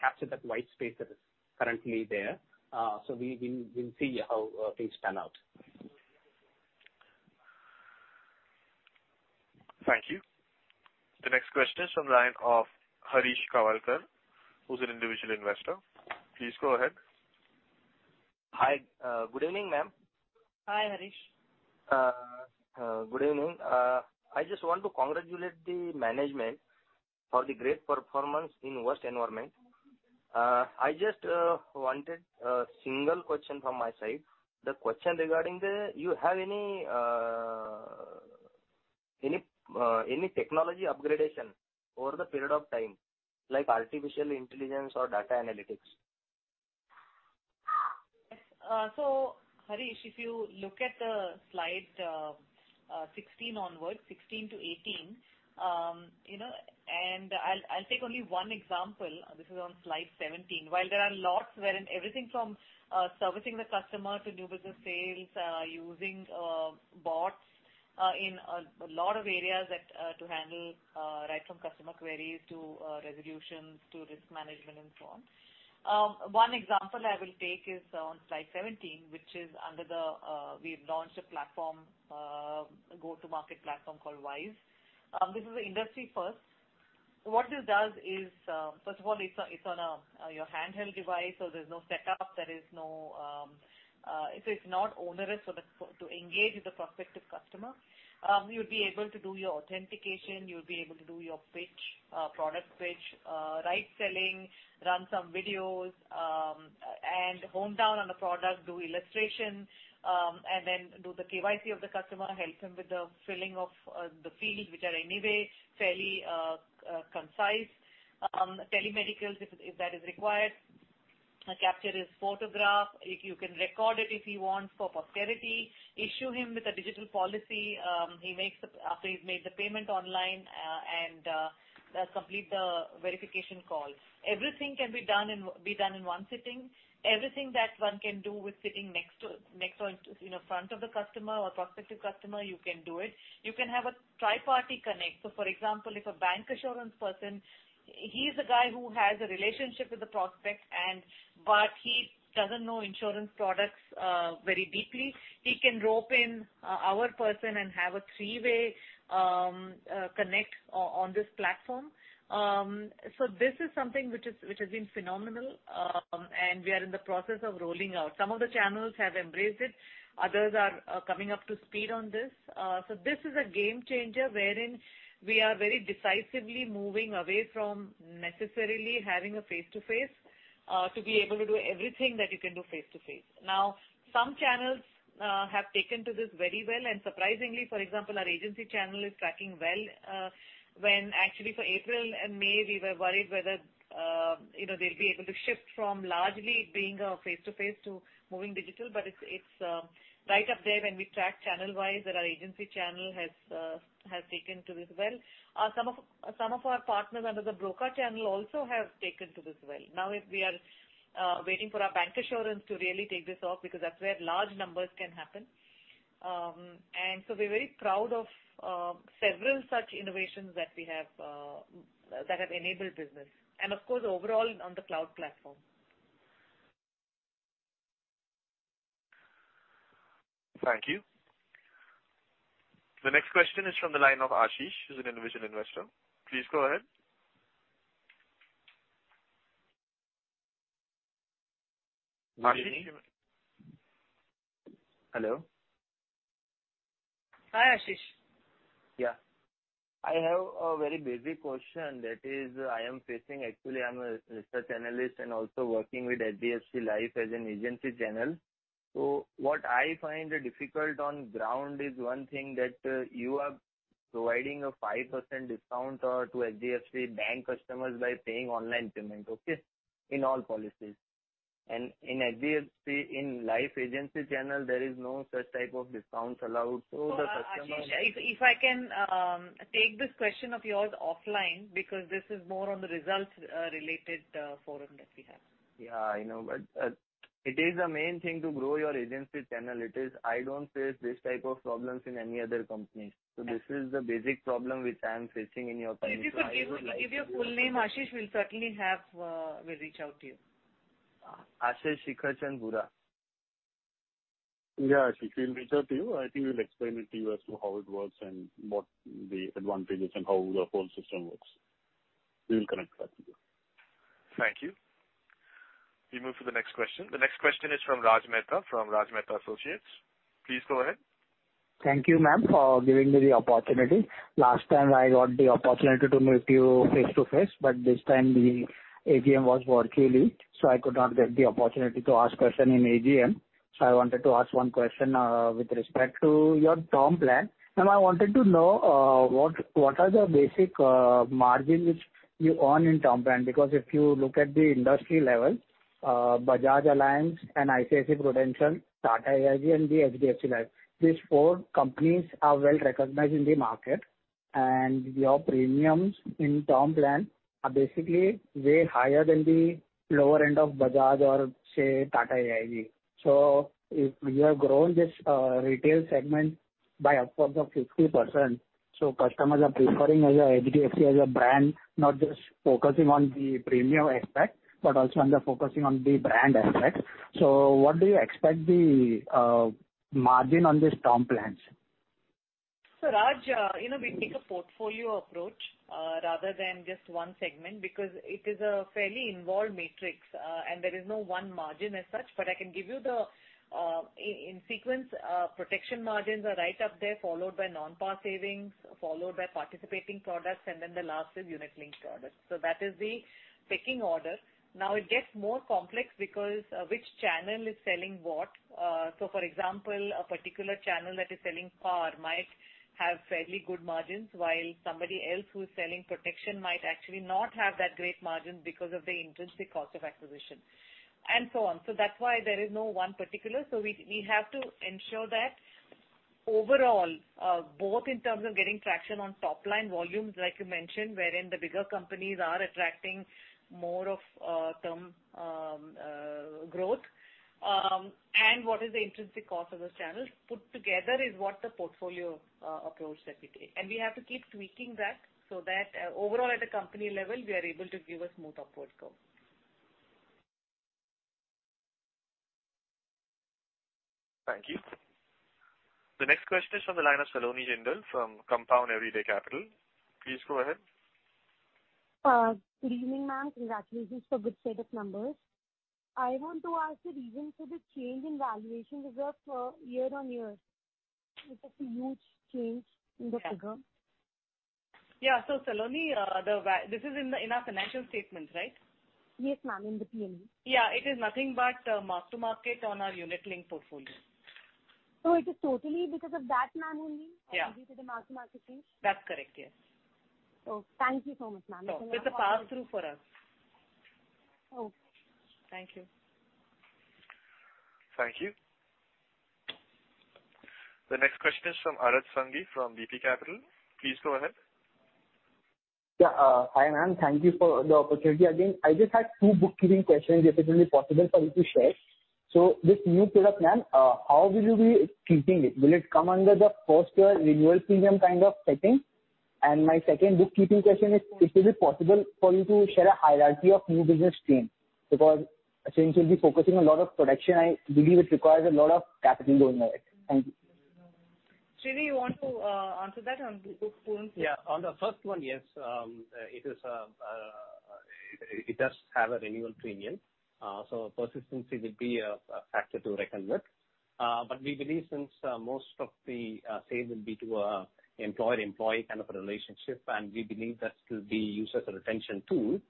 capture that white space that is currently there. We'll see how things pan out. Thank you. The next question is from the line of Harish Kawalkar, who's an individual investor. Please go ahead. Hi. Good evening, ma'am. Hi, Harish. Good evening. I just want to congratulate the management for the great performance in worst environment. I just wanted a single question from my side. The question regarding, do you have any technology upgradation over the period of time, like artificial intelligence or data analytics? Harish, if you look at slide 16 onwards, 16 to 18. I'll take only one example. This is on slide 17. While there are lots wherein everything from servicing the customer to new business sales, using bots in a lot of areas to handle right from customer queries to resolutions to risk management and so on. One example I will take is on slide 17, which is we've launched a go-to-market platform called Wise. This is an industry first. What this does is, first of all, it's on your handheld device, so there's no setup. It's not onerous to engage with the prospective customer. You'll be able to do your authentication, you'll be able to do your product pitch, right selling, run some videos, and hone down on the product, do illustration, and then do the KYC of the customer, help him with the filling of the fields, which are anyway fairly concise. Telemedicals, if that is required. Capture his photograph. You can record it if he wants for posterity. Issue him with a digital policy after he's made the payment online, and complete the verification call. Everything can be done in one sitting. Everything that one can do with sitting next to, in a front of the customer or prospective customer, you can do it. You can have a tri-party connect. For example, if a bank insurance person, he's a guy who has a relationship with the prospect but he doesn't know insurance products very deeply, he can rope in our person and have a three-way connect on this platform. This is something which has been phenomenal, and we are in the process of rolling out. Some of the channels have embraced it. Others are coming up to speed on this. This is a game changer wherein we are very decisively moving away from necessarily having a face-to-face to be able to do everything that you can do face-to-face. Some channels have taken to this very well, and surprisingly, for example, our agency channel is tracking well, when actually for April and May we were worried whether they'll be able to shift from largely being face-to-face to moving digital. It's right up there when we track channel-wise that our agency channel has taken to this well. Some of our partners under the broker channel also have taken to this well. Now we are waiting for our bank insurance to really take this off because that's where large numbers can happen. We're very proud of several such innovations that have enabled business. Of course, overall on the cloud platform. Thank you. The next question is from the line of Ashish, who is an individual investor. Please go ahead. Ashish. Hello. Hi, Ashish. Yeah. I have a very basic question that is, I am facing. Actually, I'm a research analyst and also working with HDFC Life as an agency channel. What I find difficult on ground is one thing, that you are providing a 5% discount to HDFC Bank customers by paying online payment, okay? In all policies. In HDFC, in life agency channel, there is no such type of discounts allowed. Ashish, if I can take this question of yours offline because this is more on the results-related forum that we have. Yeah, I know. It is the main thing to grow your agency channel. I don't face this type of problems in any other companies. This is the basic problem which I'm facing in your company. Give your full name, Ashish. We'll certainly reach out to you. Ashish Shikarchand Bhura. Yeah, Ashish, we'll reach out to you. I think we'll explain it to you as to how it works and what the advantages are, and how the whole system works. We will connect back to you. Thank you. We move to the next question. The next question is from Raj Mehta, from Raj Mehta Associates. Please go ahead. Thank you, ma'am, for giving me the opportunity. Last time I got the opportunity to meet you face-to-face, but this time the AGM was virtually, so I could not get the opportunity to ask questions in AGM. I wanted to ask one question with respect to your term plan. Ma'am, I wanted to know what are the basic margins which you earn in term plan, because if you look at the industry level, Bajaj Allianz and ICICI Prudential, Tata AIA and the HDFC Life. These four companies are well-recognized in the market, and your premiums in term plan are basically way higher than the lower end of Bajaj or say, Tata AIA. If you have grown this retail segment by upwards of 50%, so customers are preferring HDFC as a brand, not just focusing on the premium aspect, but also they're focusing on the brand aspect. What do you expect the margin on these term plans? Raj, we take a portfolio approach rather than just one segment because it is a fairly involved matrix and there is no one margin as such, but I can give you in sequence. Protection margins are right up there, followed by non-PAR savings, followed by participating products, and then the last is unit-linked products. That is the pecking order. Now it gets more complex because which channel is selling what. For example, a particular channel that is selling PAR might have fairly good margins while somebody else who is selling protection might actually not have that great margin because of the intrinsic cost of acquisition and so on. That's why there is no one particular. We have to ensure that overall, both in terms of getting traction on top-line volumes like you mentioned, wherein the bigger companies are attracting more of term growth and what is the intrinsic cost of those channels put together is what the portfolio approach that we take. We have to keep tweaking that so that overall at a company level, we are able to give a smooth upward curve. Thank you. The next question is from the line of Saloni Jindal from Compound Everyday Capital. Please go ahead. Good evening, ma'am. Congratulations for good set of numbers. I want to ask the reason for the change in valuation reserve for year-on-year. It is a huge change in the figure. Yeah. Saloni, this is in our financial statement, right? Yes, ma'am, in the P&L. Yeah, it is nothing but mark-to-market on our unit-linked portfolio. It is totally because of that, ma'am, only? Yeah. Because of the mark-to-market change. That's correct, yes. Thank you so much, ma'am. It's a pass-through for us. Okay. Thank you. Thank you. The next question is from Adarsh Sangi of BP Capital. Please go ahead. Hi, ma'am. Thank you for the opportunity again. I just had two bookkeeping questions if it will be possible for you to share. This new product, ma'am, how will you be treating it? Will it come under the first year renewal premium kind of setting? My second bookkeeping question is, if it is possible for you to share a hierarchy of new business strain because since you'll be focusing a lot on protection, I believe it requires a lot of capital going ahead. Thank you. Sridhar, you want to answer that on the book front? On the first one, yes, it does have a renewal premium. Persistency will be a factor to reckon with. We believe since most of the sale will be to employer-employee kind of a relationship, and we believe that will be used as a retention tool.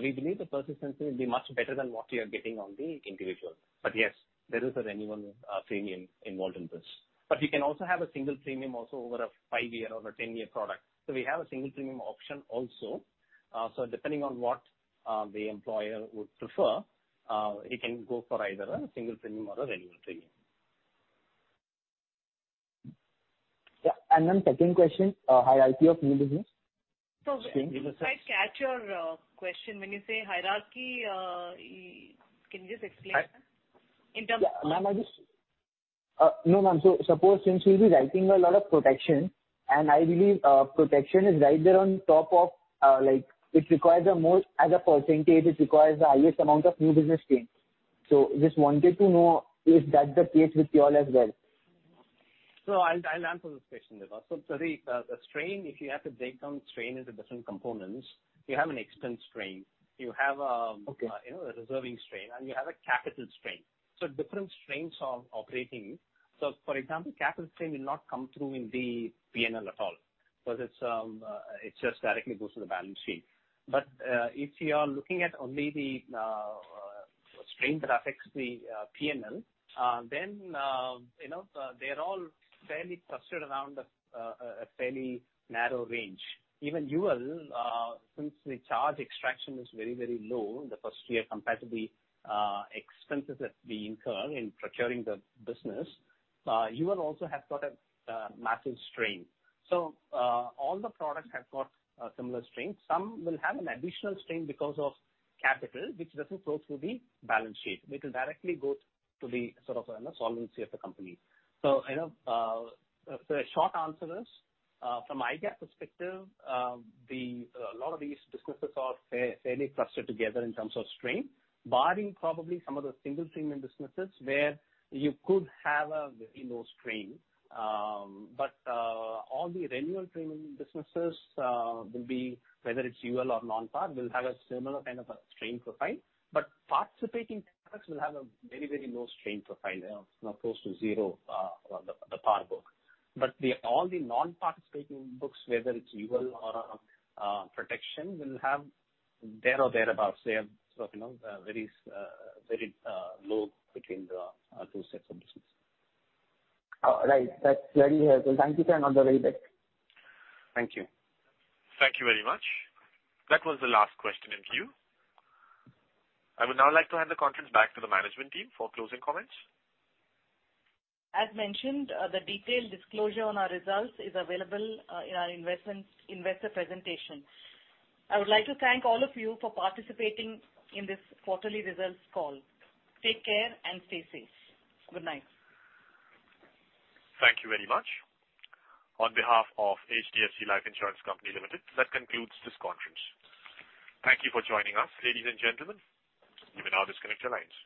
We believe the persistency will be much better than what we are getting on the individual. Yes, there is a renewal premium involved in this. We can also have a single premium also over a five-year or a 10-year product. We have a single premium option also. Depending on what the employer would prefer, he can go for either a single premium or a renewal premium. Yeah. Second question, hierarchy of new business. I didn't quite catch your question when you say hierarchy. Can you just explain that? Yeah. No, ma'am. Suppose since we'll be writing a lot of protection and I believe protection, as a percentage, it requires the highest amount of new business strain. Just wanted to know if that's the case with you all as well. I'll answer this question. The strain, if you have to break down strain into different components, you have an expense strain, you have a- Okay. Reserving strain, you have a capital strain. Different strains are operating. For example, capital strain will not come through in the P&L at all because it just directly goes to the balance sheet. If you are looking at only the strain that affects the P&L, they're all fairly clustered around a fairly narrow range. Even UL, since the charge extraction is very low in the first year compared to the expenses that we incur in procuring the business. UL also has got a massive strain. All the products have got similar strains. Some will have an additional strain because of capital, which doesn't go through the balance sheet. It will directly go to the solvency of the company. The short answer is from my perspective a lot of these businesses are fairly clustered together in terms of strain, barring probably some of the single premium businesses where you could have a very low strain. All the renewal premium businesses whether it's UL or non-PAR will have a similar kind of a strain profile. Participating products will have a very low strain profile, close to zero the PAR book. All the non-participating books whether it's UL or protection will have there or thereabouts. They are very low between the two sets of business. That's very helpful. Thank you, sir. All the very best. Thank you. Thank you very much. That was the last question in queue. I would now like to hand the conference back to the management team for closing comments. As mentioned, the detailed disclosure on our results is available in our investor presentation. I would like to thank all of you for participating in this quarterly results call. Take care and stay safe. Good night. Thank you very much. On behalf of HDFC Life Insurance Company Limited, that concludes this conference. Thank you for joining us, ladies and gentlemen. You may now disconnect your lines.